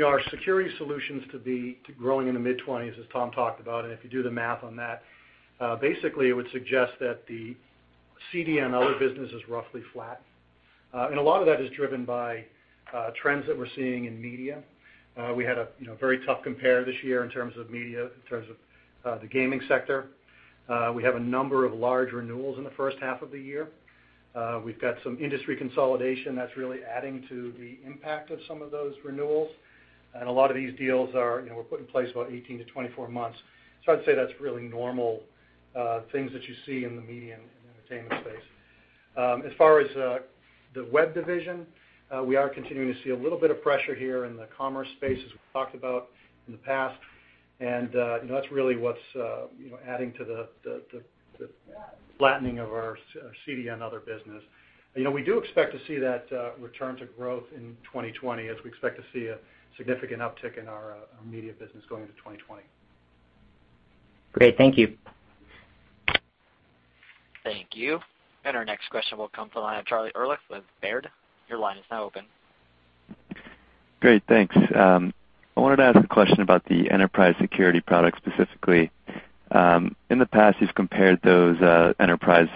our security solutions to be growing in the mid-20s, as Tom talked about. If you do the math on that, basically it would suggest that the CDN and other business is roughly flat. A lot of that is driven by trends that we're seeing in media. We had a very tough compare this year in terms of media, in terms of the gaming sector. We have a number of large renewals in the first half of the year. We've got some industry consolidation that's really adding to the impact of some of those renewals, and a lot of these deals were put in place about 18 to 24 months. I'd say that's really normal things that you see in the media and entertainment space. As far as the Web Division, we are continuing to see a little bit of pressure here in the commerce space as we've talked about in the past. That's really what's adding to the flattening of our CDN and other business. We do expect to see that return to growth in 2020 as we expect to see a significant uptick in our media business going into 2020. Great. Thank you. Thank you. Our next question will come to the line of Charlie Ehrlich with Baird. Your line is now open. Great. Thanks. I wanted to ask a question about the enterprise security product specifically. In the past, you've compared those enterprise,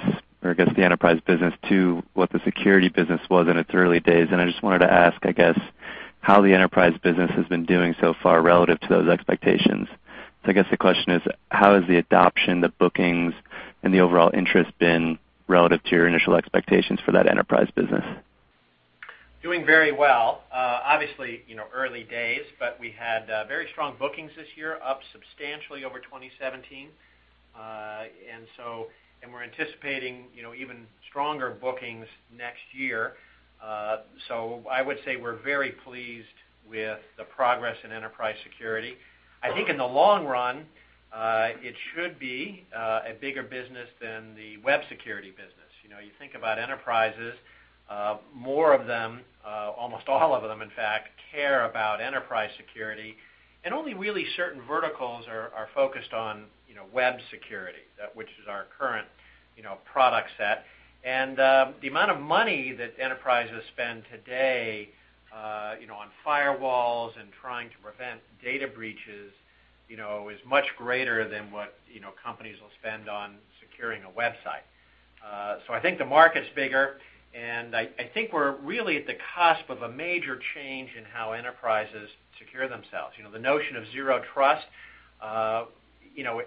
or I guess the enterprise business to what the security business was in its early days. I just wanted to ask, I guess, how the enterprise business has been doing so far relative to those expectations. I guess the question is, how has the adoption, the bookings, and the overall interest been relative to your initial expectations for that enterprise business? Doing very well. Obviously, early days, but we had very strong bookings this year, up substantially over 2017. We're anticipating even stronger bookings next year. I would say we're very pleased with the progress in enterprise security. I think in the long run, it should be a bigger business than the web security business. You think about enterprises, more of them, almost all of them, in fact, care about enterprise security, and only really certain verticals are focused on web security, which is our current product set. The amount of money that enterprises spend today on firewalls and trying to prevent data breaches is much greater than what companies will spend on securing a website. I think the market's bigger, and I think we're really at the cusp of a major change in how enterprises secure themselves. The notion of Zero Trust,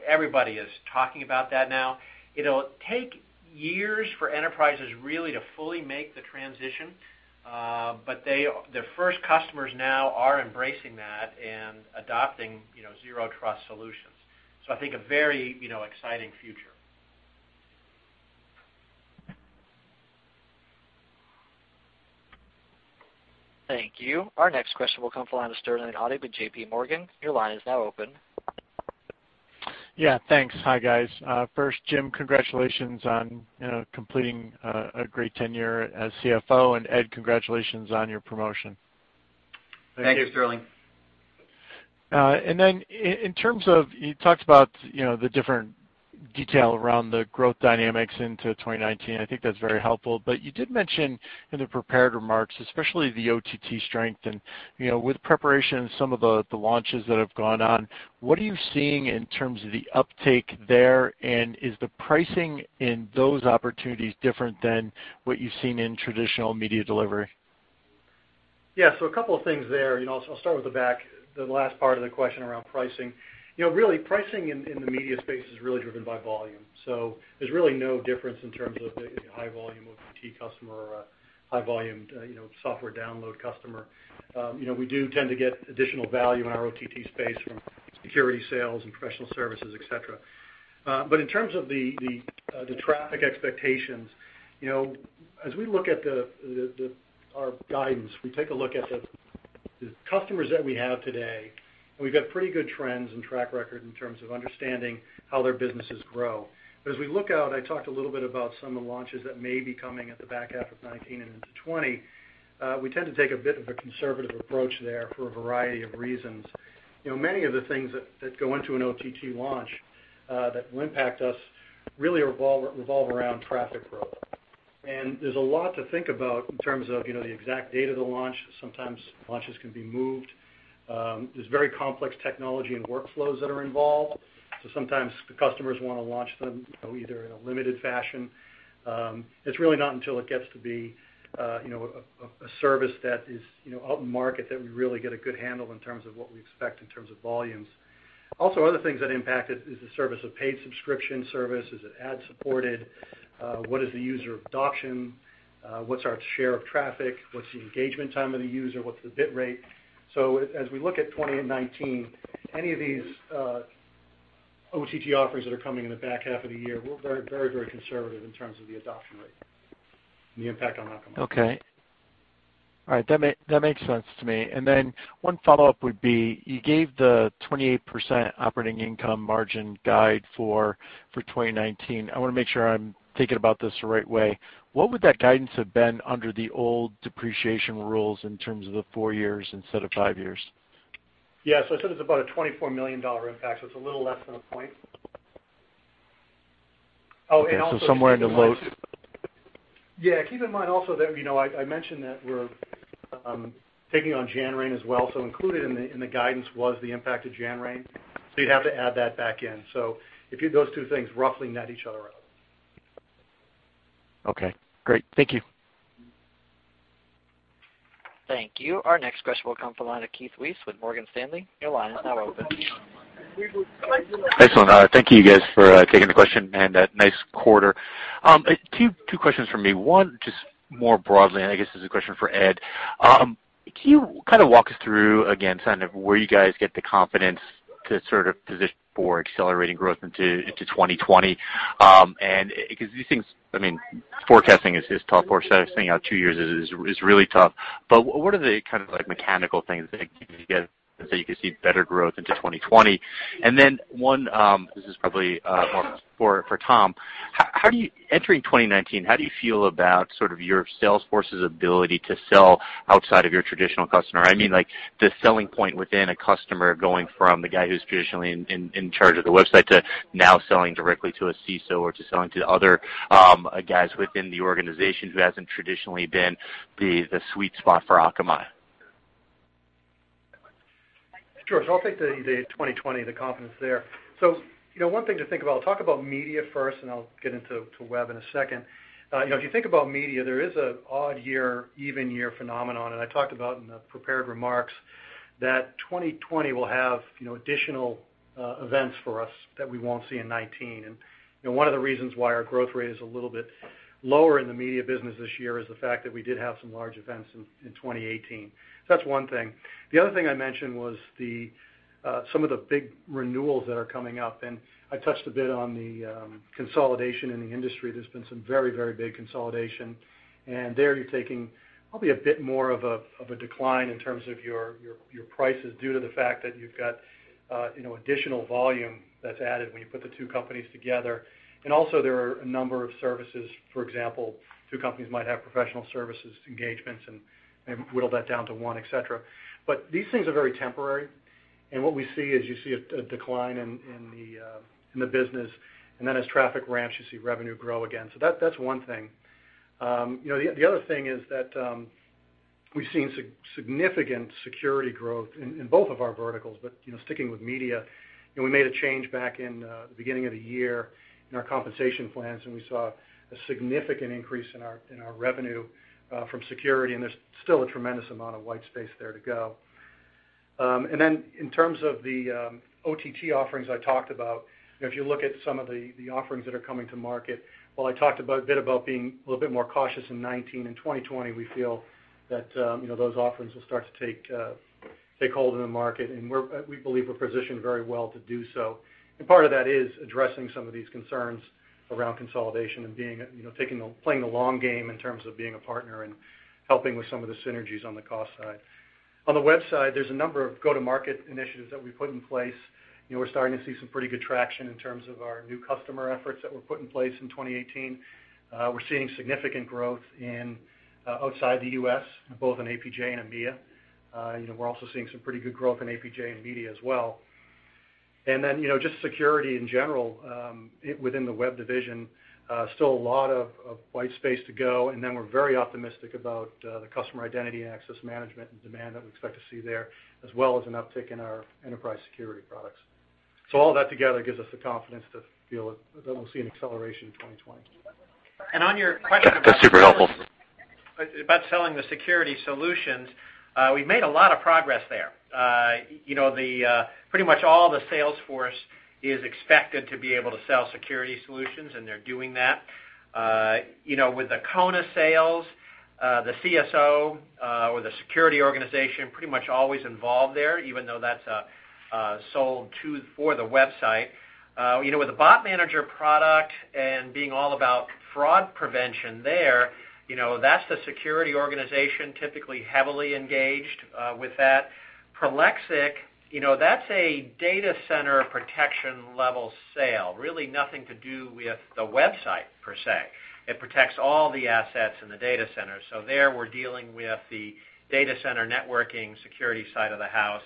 everybody is talking about that now. It'll take years for enterprises really to fully make the transition. The first customers now are embracing that and adopting Zero Trust solutions. I think a very exciting future. Thank you. Our next question will come from the line of Sterling Auty with JPMorgan. Your line is now open. Yeah, thanks. Hi, guys. First, Jim, congratulations on completing a great tenure as CFO, and Ed, congratulations on your promotion. Thank you. Thank you, Sterling. Then in terms of, you talked about the different detail around the growth dynamics into 2019, I think that's very helpful. You did mention in the prepared remarks, especially the OTT strength and with preparation and some of the launches that have gone on, what are you seeing in terms of the uptake there, and is the pricing in those opportunities different than what you've seen in traditional media delivery? Yeah. A couple of things there. I'll start with the back, the last part of the question around pricing. Really, pricing in the media space is really driven by volume. There's really no difference in terms of the high volume OTT customer or a high volume software download customer. We do tend to get additional value in our OTT space from security sales and professional services, etc. In terms of the traffic expectations, as we look at our guidance, we take a look at the customers that we have today, and we've got pretty good trends and track record in terms of understanding how their businesses grow. As we look out, I talked a little bit about some of the launches that may be coming at the back half of 2019 and into 2020. We tend to take a bit of a conservative approach there for a variety of reasons. Many of the things that go into an OTT launch, that will impact us, really revolve around traffic growth. There's a lot to think about in terms of the exact date of the launch. Sometimes launches can be moved. There's very complex technology and workflows that are involved, so sometimes the customers want to launch them either in a limited fashion. It's really not until it gets to be a service that is out in the market that we really get a good handle in terms of what we expect in terms of volumes. Also, other things that impact it is the service of paid subscription service. Is it ad-supported? What is the user adoption? What's our share of traffic? What's the engagement time of the user? What's the bit rate? As we look at 2019, any of these OTT offerings that are coming in the back half of the year, we're very conservative in terms of the adoption rate and the impact on Akamai. Okay. All right. That makes sense to me. One follow-up would be, you gave the 28% operating income margin guide for 2019. I want to make sure I'm thinking about this the right way. What would that guidance have been under the old depreciation rules in terms of the four years instead of five years? Yeah. I said it's about a $24 million impact. It's a little less than a point. Also keep in mind Okay. Somewhere in the low. Yeah. Keep in mind also that I mentioned that we're taking on Janrain as well. Included in the guidance was the impact of Janrain. You'd have to add that back in. Those two things roughly net each other out. Okay, great. Thank you. Thank you. Our next question will come from the line of Keith Weiss with Morgan Stanley. Your line is now open. Excellent. Thank you guys for taking the question and nice quarter. Two questions from me. One, just more broadly, I guess this is a question for Ed. Can you walk us through, again, where you guys get the confidence to position for accelerating growth into 2020? Because these things, forecasting is tough. We're sitting out two years is really tough. What are the mechanical things that you can get so you could see better growth into 2020? Then one, this is probably more for Tom. Entering 2019, how do you feel about your sales force's ability to sell outside of your traditional customer? I mean, the selling point within a customer going from the guy who's traditionally in charge of the website to now selling directly to a CISO or to selling to other guys within the organization who hasn't traditionally been the sweet spot for Akamai. Sure. I'll take the 2020, the confidence there. One thing to think about, I'll talk about media first, and I'll get into web in a second. If you think about media, there is an odd year, even year phenomenon, and I talked about in the prepared remarks that 2020 will have additional events for us that we won't see in 2019. One of the reasons why our growth rate is a little bit lower in the media business this year is the fact that we did have some large events in 2018. That's one thing. The other thing I mentioned was some of the big renewals that are coming up, and I touched a bit on the consolidation in the industry. There's been some very big consolidation. There, you're taking probably a bit more of a decline in terms of your prices due to the fact that you've got additional volume that's added when you put the two companies together. Also there are a number of services. For example, two companies might have professional services engagements, and whittle that down to one, etc. These things are very temporary, and what we see is you see a decline in the business, and then as traffic ramps, you see revenue grow again. That's one thing. The other thing is that we've seen significant security growth in both of our verticals, but sticking with media, we made a change back in the beginning of the year in our compensation plans, and we saw a significant increase in our revenue from security, and there's still a tremendous amount of white space there to go. In terms of the OTT offerings I talked about, if you look at some of the offerings that are coming to market, while I talked a bit about being a little bit more cautious in 2019 and 2020, we feel that those offerings will start to take hold in the market, and we believe we're positioned very well to do so. Part of that is addressing some of these concerns around consolidation and playing the long game in terms of being a partner and helping with some of the synergies on the cost side. On the web side, there's a number of go-to-market initiatives that we've put in place. We're starting to see some pretty good traction in terms of our new customer efforts that were put in place in 2018. We're seeing significant growth outside the U.S., both in APJ and EMEA. We're also seeing some pretty good growth in APJ and media as well. Just security in general within the web division, still a lot of white space to go. We're very optimistic about the customer identity and access management and demand that we expect to see there, as well as an uptick in our enterprise security products. So all that together gives us the confidence to feel that we'll see an acceleration in 2020. On your question about- That's super helpful. About selling the security solutions, we've made a lot of progress there. Pretty much all the sales force is expected to be able to sell security solutions, and they're doing that. With the Kona sales, the CSO, or the security organization, pretty much always involved there, even though that's sold for the website. With the Bot Manager product and being all about fraud prevention there, that's the security organization typically heavily engaged with that. Prolexic, that's a data center protection level sale, really nothing to do with the website per se. It protects all the assets in the data center. There, we're dealing with the data center networking security side of the house.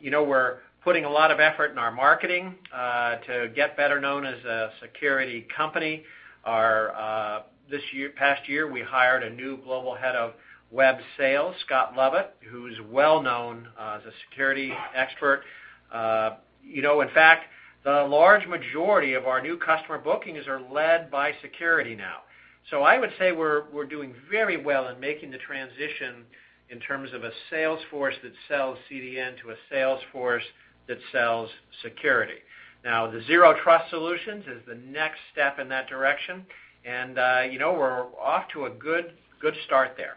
We're putting a lot of effort in our marketing, to get better known as a security company. This past year, we hired a new global head of web sales, Scott Lovett, who's well-known as a security expert. In fact, the large majority of our new customer bookings are led by security now. I would say we're doing very well in making the transition in terms of a sales force that sells CDN to a sales force that sells security. The Zero Trust solutions is the next step in that direction. We're off to a good start there.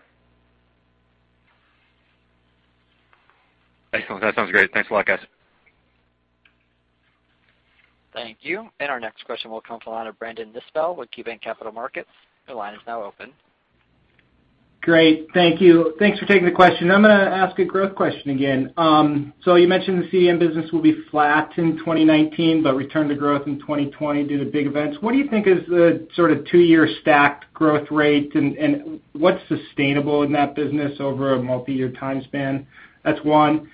Excellent. That sounds great. Thanks a lot, guys. Thank you. Our next question will come from the line of Brandon Nispel with KeyBanc Capital Markets. Your line is now open. Great. Thank you. Thanks for taking the question. I'm going to ask a growth question again. You mentioned the CDN business will be flat in 2019, but return to growth in 2020 due to big events. What do you think is the sort of two-year stacked growth rate, and what's sustainable in that business over a multi-year time span? That's one.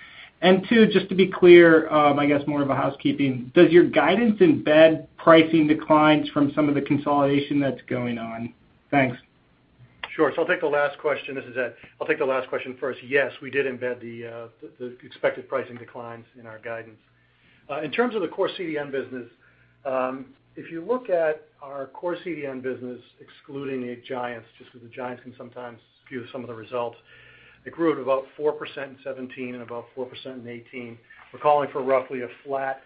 Two, just to be clear, I guess more of a housekeeping, does your guidance embed pricing declines from some of the consolidation that's going on? Thanks. Sure. I'll take the last question. This is Ed. I'll take the last question first. Yes, we did embed the expected pricing declines in our guidance. In terms of the core CDN business, if you look at our core CDN business, excluding the giants, just because the giants can sometimes skew some of the results, it grew at about 4% in 2017 and about 4% in 2018. We're calling for roughly a flat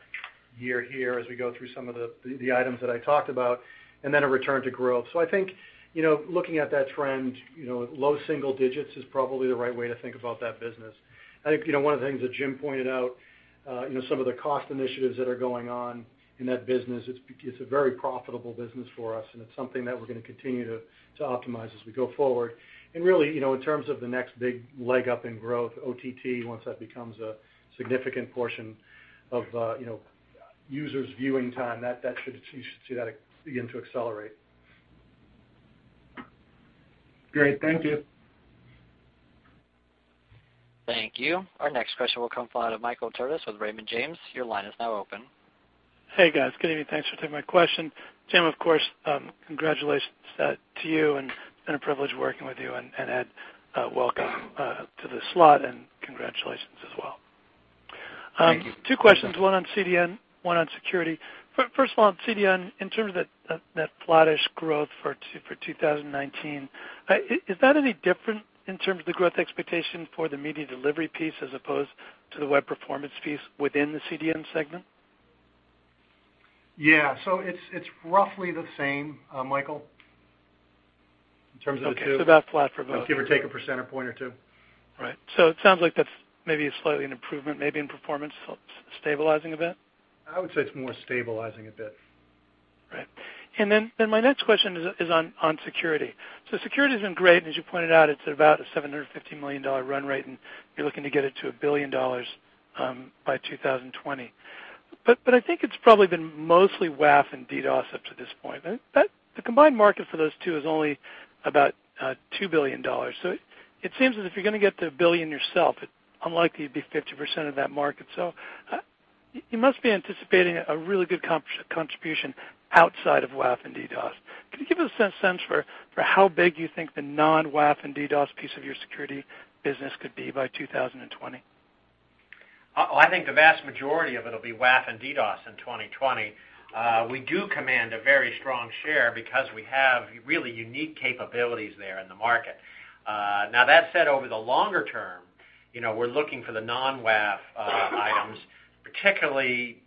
year here as we go through some of the items that I talked about, and then a return to growth. I think, looking at that trend, low single digits is probably the right way to think about that business. I think, one of the things that Jim pointed out, some of the cost initiatives that are going on in that business, it's a very profitable business for us, and it's something that we're going to continue to optimize as we go forward. Really, in terms of the next big leg up in growth, OTT, once that becomes a significant portion of users' viewing time, you should see that begin to accelerate. Great. Thank you. Thank you. Our next question will come from the line of Michael Turits with Raymond James. Your line is now open. Hey, guys. Good evening. Thanks for taking my question. Jim, of course, congratulations to you, and it's been a privilege working with you, and Ed, welcome to the slot, and congratulations as well. Thank you. Two questions, one on CDN, one on security. On CDN, in terms of that flattish growth for 2019, is that any different in terms of the growth expectation for the media delivery piece as opposed to the web performance piece within the CDN segment? Yeah. It's roughly the same, Michael, in terms of the two. Okay. About flat for both. Give or take a percent or point or two. Right. It sounds like that's maybe slightly an improvement, maybe in performance stabilizing a bit. I would say it's more stabilizing a bit. Right. My next question is on security. Security's been great, and as you pointed out, it's at about a $750 million run rate, and you're looking to get it to $1 billion by 2020. I think it's probably been mostly WAF and DDoS up to this point. The combined market for those two is only about $2 billion. It seems as if you're going to get to $1 billion yourself, it's unlikely you'd be 50% of that market. You must be anticipating a really good contribution outside of WAF and DDoS. Could you give us a sense for how big you think the non-WAF and DDoS piece of your security business could be by 2020? I think the vast majority of it'll be WAF and DDoS in 2020. We do command a very strong share because we have really unique capabilities there in the market. Now, that said, over the longer term, we're looking for the non-WAF items, particularly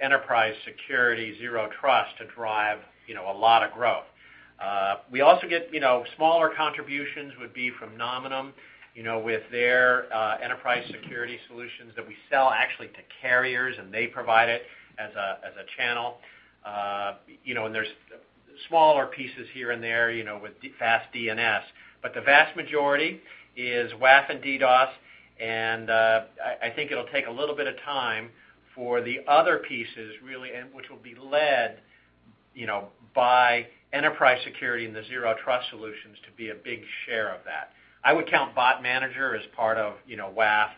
enterprise security, Zero Trust, to drive a lot of growth. We also get smaller contributions would be from Nominum, with their enterprise security solutions that we sell actually to carriers, and they provide it as a channel. There's smaller pieces here and there, with fast DNS. The vast majority is WAF and DDoS, and I think it'll take a little bit of time for the other pieces, really, which will be led by enterprise security and the Zero Trust solutions to be a big share of that. I would count Bot Manager as part of WAF.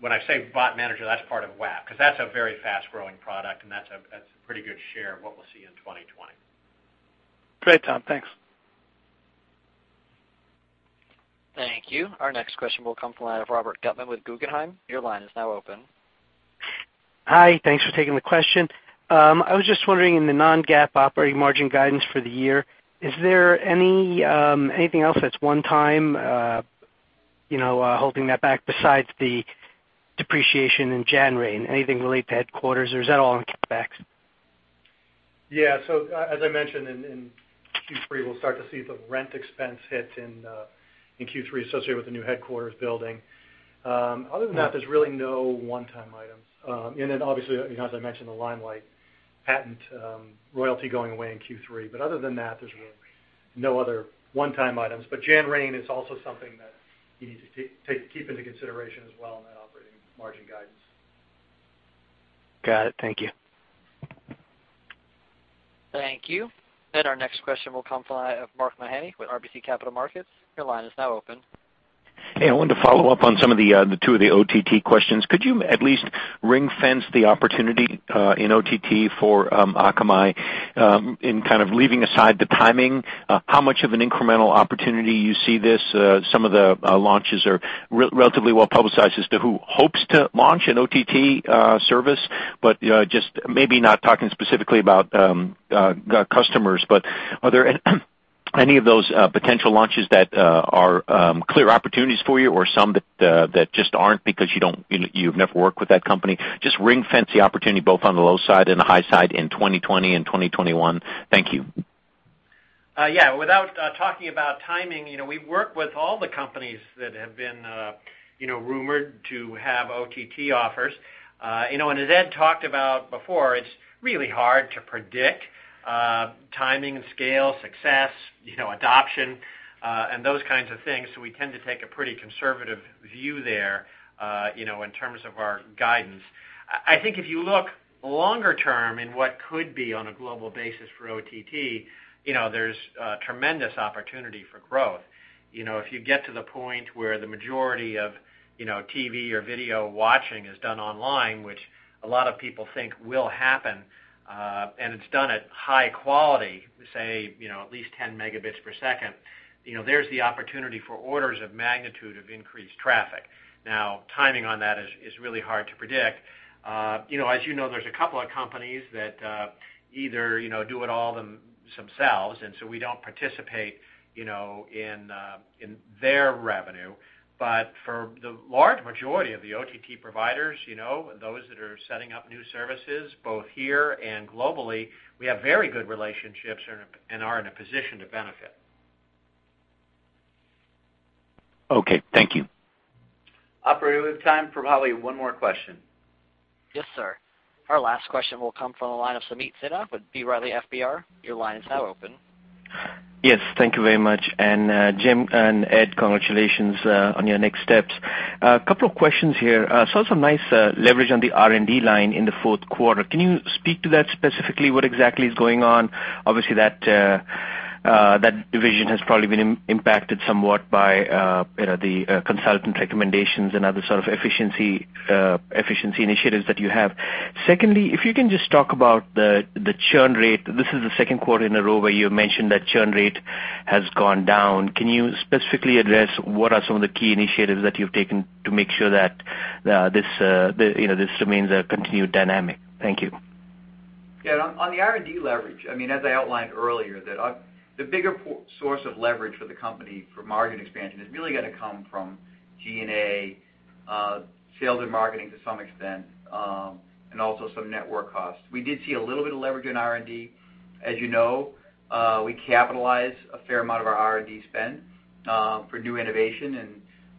When I say Bot Manager, that's part of WAF, because that's a very fast-growing product, and that's a pretty good share of what we'll see in 2020. Great, Tom. Thanks. Thank you. Our next question will come from the line of Robert Gutman with Guggenheim. Your line is now open. Hi. Thanks for taking the question. I was just wondering, in the non-GAAP operating margin guidance for the year, is there anything else that's one time, holding that back besides the depreciation in Janrain? Anything related to headquarters, or is that all on cutbacks? Yeah. As I mentioned, in Q3, we'll start to see some rent expense hits in Q3 associated with the new headquarters building. Other than that, there's really no one-time items. Obviously, as I mentioned, the Limelight patent royalty going away in Q3. Other than that, there's really no other one-time items. Janrain is also something that you need to take keep into consideration as well in that operating margin guidance. Got it. Thank you. Thank you. Our next question will come from the line of Mark Mahaney with RBC Capital Markets. Your line is now open. Hey, I wanted to follow up on some of the two of the OTT questions. Could you at least ring-fence the opportunity, in OTT for Akamai, in kind of leaving aside the timing, how much of an incremental opportunity you see this? Some of the launches are relatively well-publicized as to who hopes to launch an OTT service. Just maybe not talking specifically about customers, but are there any of those potential launches that are clear opportunities for you or some that just aren't because you've never worked with that company? Just ring-fence the opportunity both on the low side and the high side in 2020 and 2021. Thank you. Yeah. Without talking about timing, we work with all the companies that have been rumored to have OTT offers. As Ed talked about before, it's really hard to predict timing, scale, success, adoption, and those kinds of things, so we tend to take a pretty conservative view there in terms of our guidance. I think if you look longer term in what could be on a global basis for OTT, there's tremendous opportunity for growth. If you get to the point where the majority of TV or video watching is done online, which a lot of people think will happen, and it's done at high quality, say, at least 10 Mbps, there's the opportunity for orders of magnitude of increased traffic. Timing on that is really hard to predict. As you know, there's a couple of companies that either do it all themselves, and so we don't participate in their revenue. For the large majority of the OTT providers, those that are setting up new services both here and globally, we have very good relationships and are in a position to benefit. Okay. Thank you. Operator, we have time for probably one more question. Yes, sir. Our last question will come from the line of Sameet Sinha with B. Riley FBR. Your line is now open. Yes. Thank you very much. Jim and Ed, congratulations on your next steps. A couple of questions here. Saw some nice leverage on the R&D line in the fourth quarter. Can you speak to that specifically, what exactly is going on? Obviously, that division has probably been impacted somewhat by the consultant recommendations and other sort of efficiency initiatives that you have. Secondly, if you can just talk about the churn rate. This is the second quarter in a row where you mentioned that churn rate has gone down. Can you specifically address what are some of the key initiatives that you've taken to make sure that this remains a continued dynamic? Thank you. Yeah, on the R&D leverage, as I outlined earlier, the bigger source of leverage for the company for margin expansion is really going to come from G&A, sales and marketing to some extent, and also some network costs. We did see a little bit of leverage in R&D. As you know, we capitalize a fair amount of our R&D spend for new innovation, and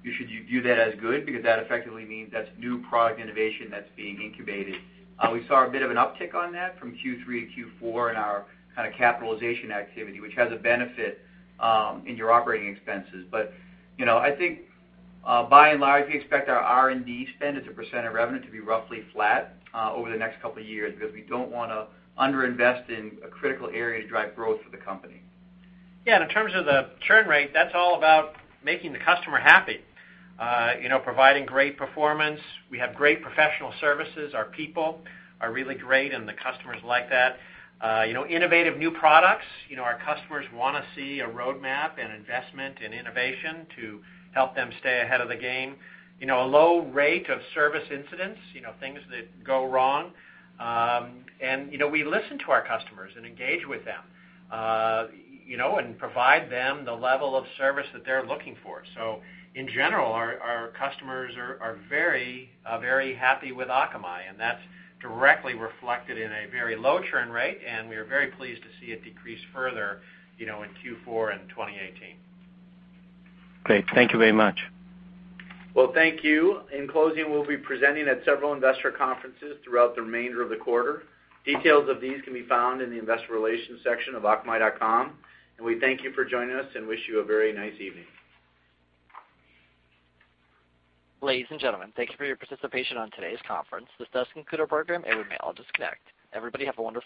you should view that as good because that effectively means that's new product innovation that's being incubated. We saw a bit of an uptick on that from Q3 to Q4 in our kind of capitalization activity, which has a benefit in your operating expenses. I think by and large, we expect our R&D spend as a percent of revenue to be roughly flat over the next couple of years because we don't want to under-invest in a critical area to drive growth for the company. Yeah, in terms of the churn rate, that's all about making the customer happy, providing great performance. We have great professional services. Our people are really great, and the customers like that. Innovative new products, our customers want to see a roadmap and investment in innovation to help them stay ahead of the game. A low rate of service incidents, things that go wrong. We listen to our customers and engage with them, and provide them the level of service that they're looking for. In general, our customers are very happy with Akamai, and that's directly reflected in a very low churn rate, and we are very pleased to see it decrease further in Q4 and 2018. Great. Thank you very much. Well, thank you. In closing, we'll be presenting at several investor conferences throughout the remainder of the quarter. Details of these can be found in the investor relations section of akamai.com. We thank you for joining us and wish you a very nice evening. Ladies and gentlemen, thank you for your participation on today's conference. This does conclude our program, and we may all disconnect. Everybody have a wonderful day.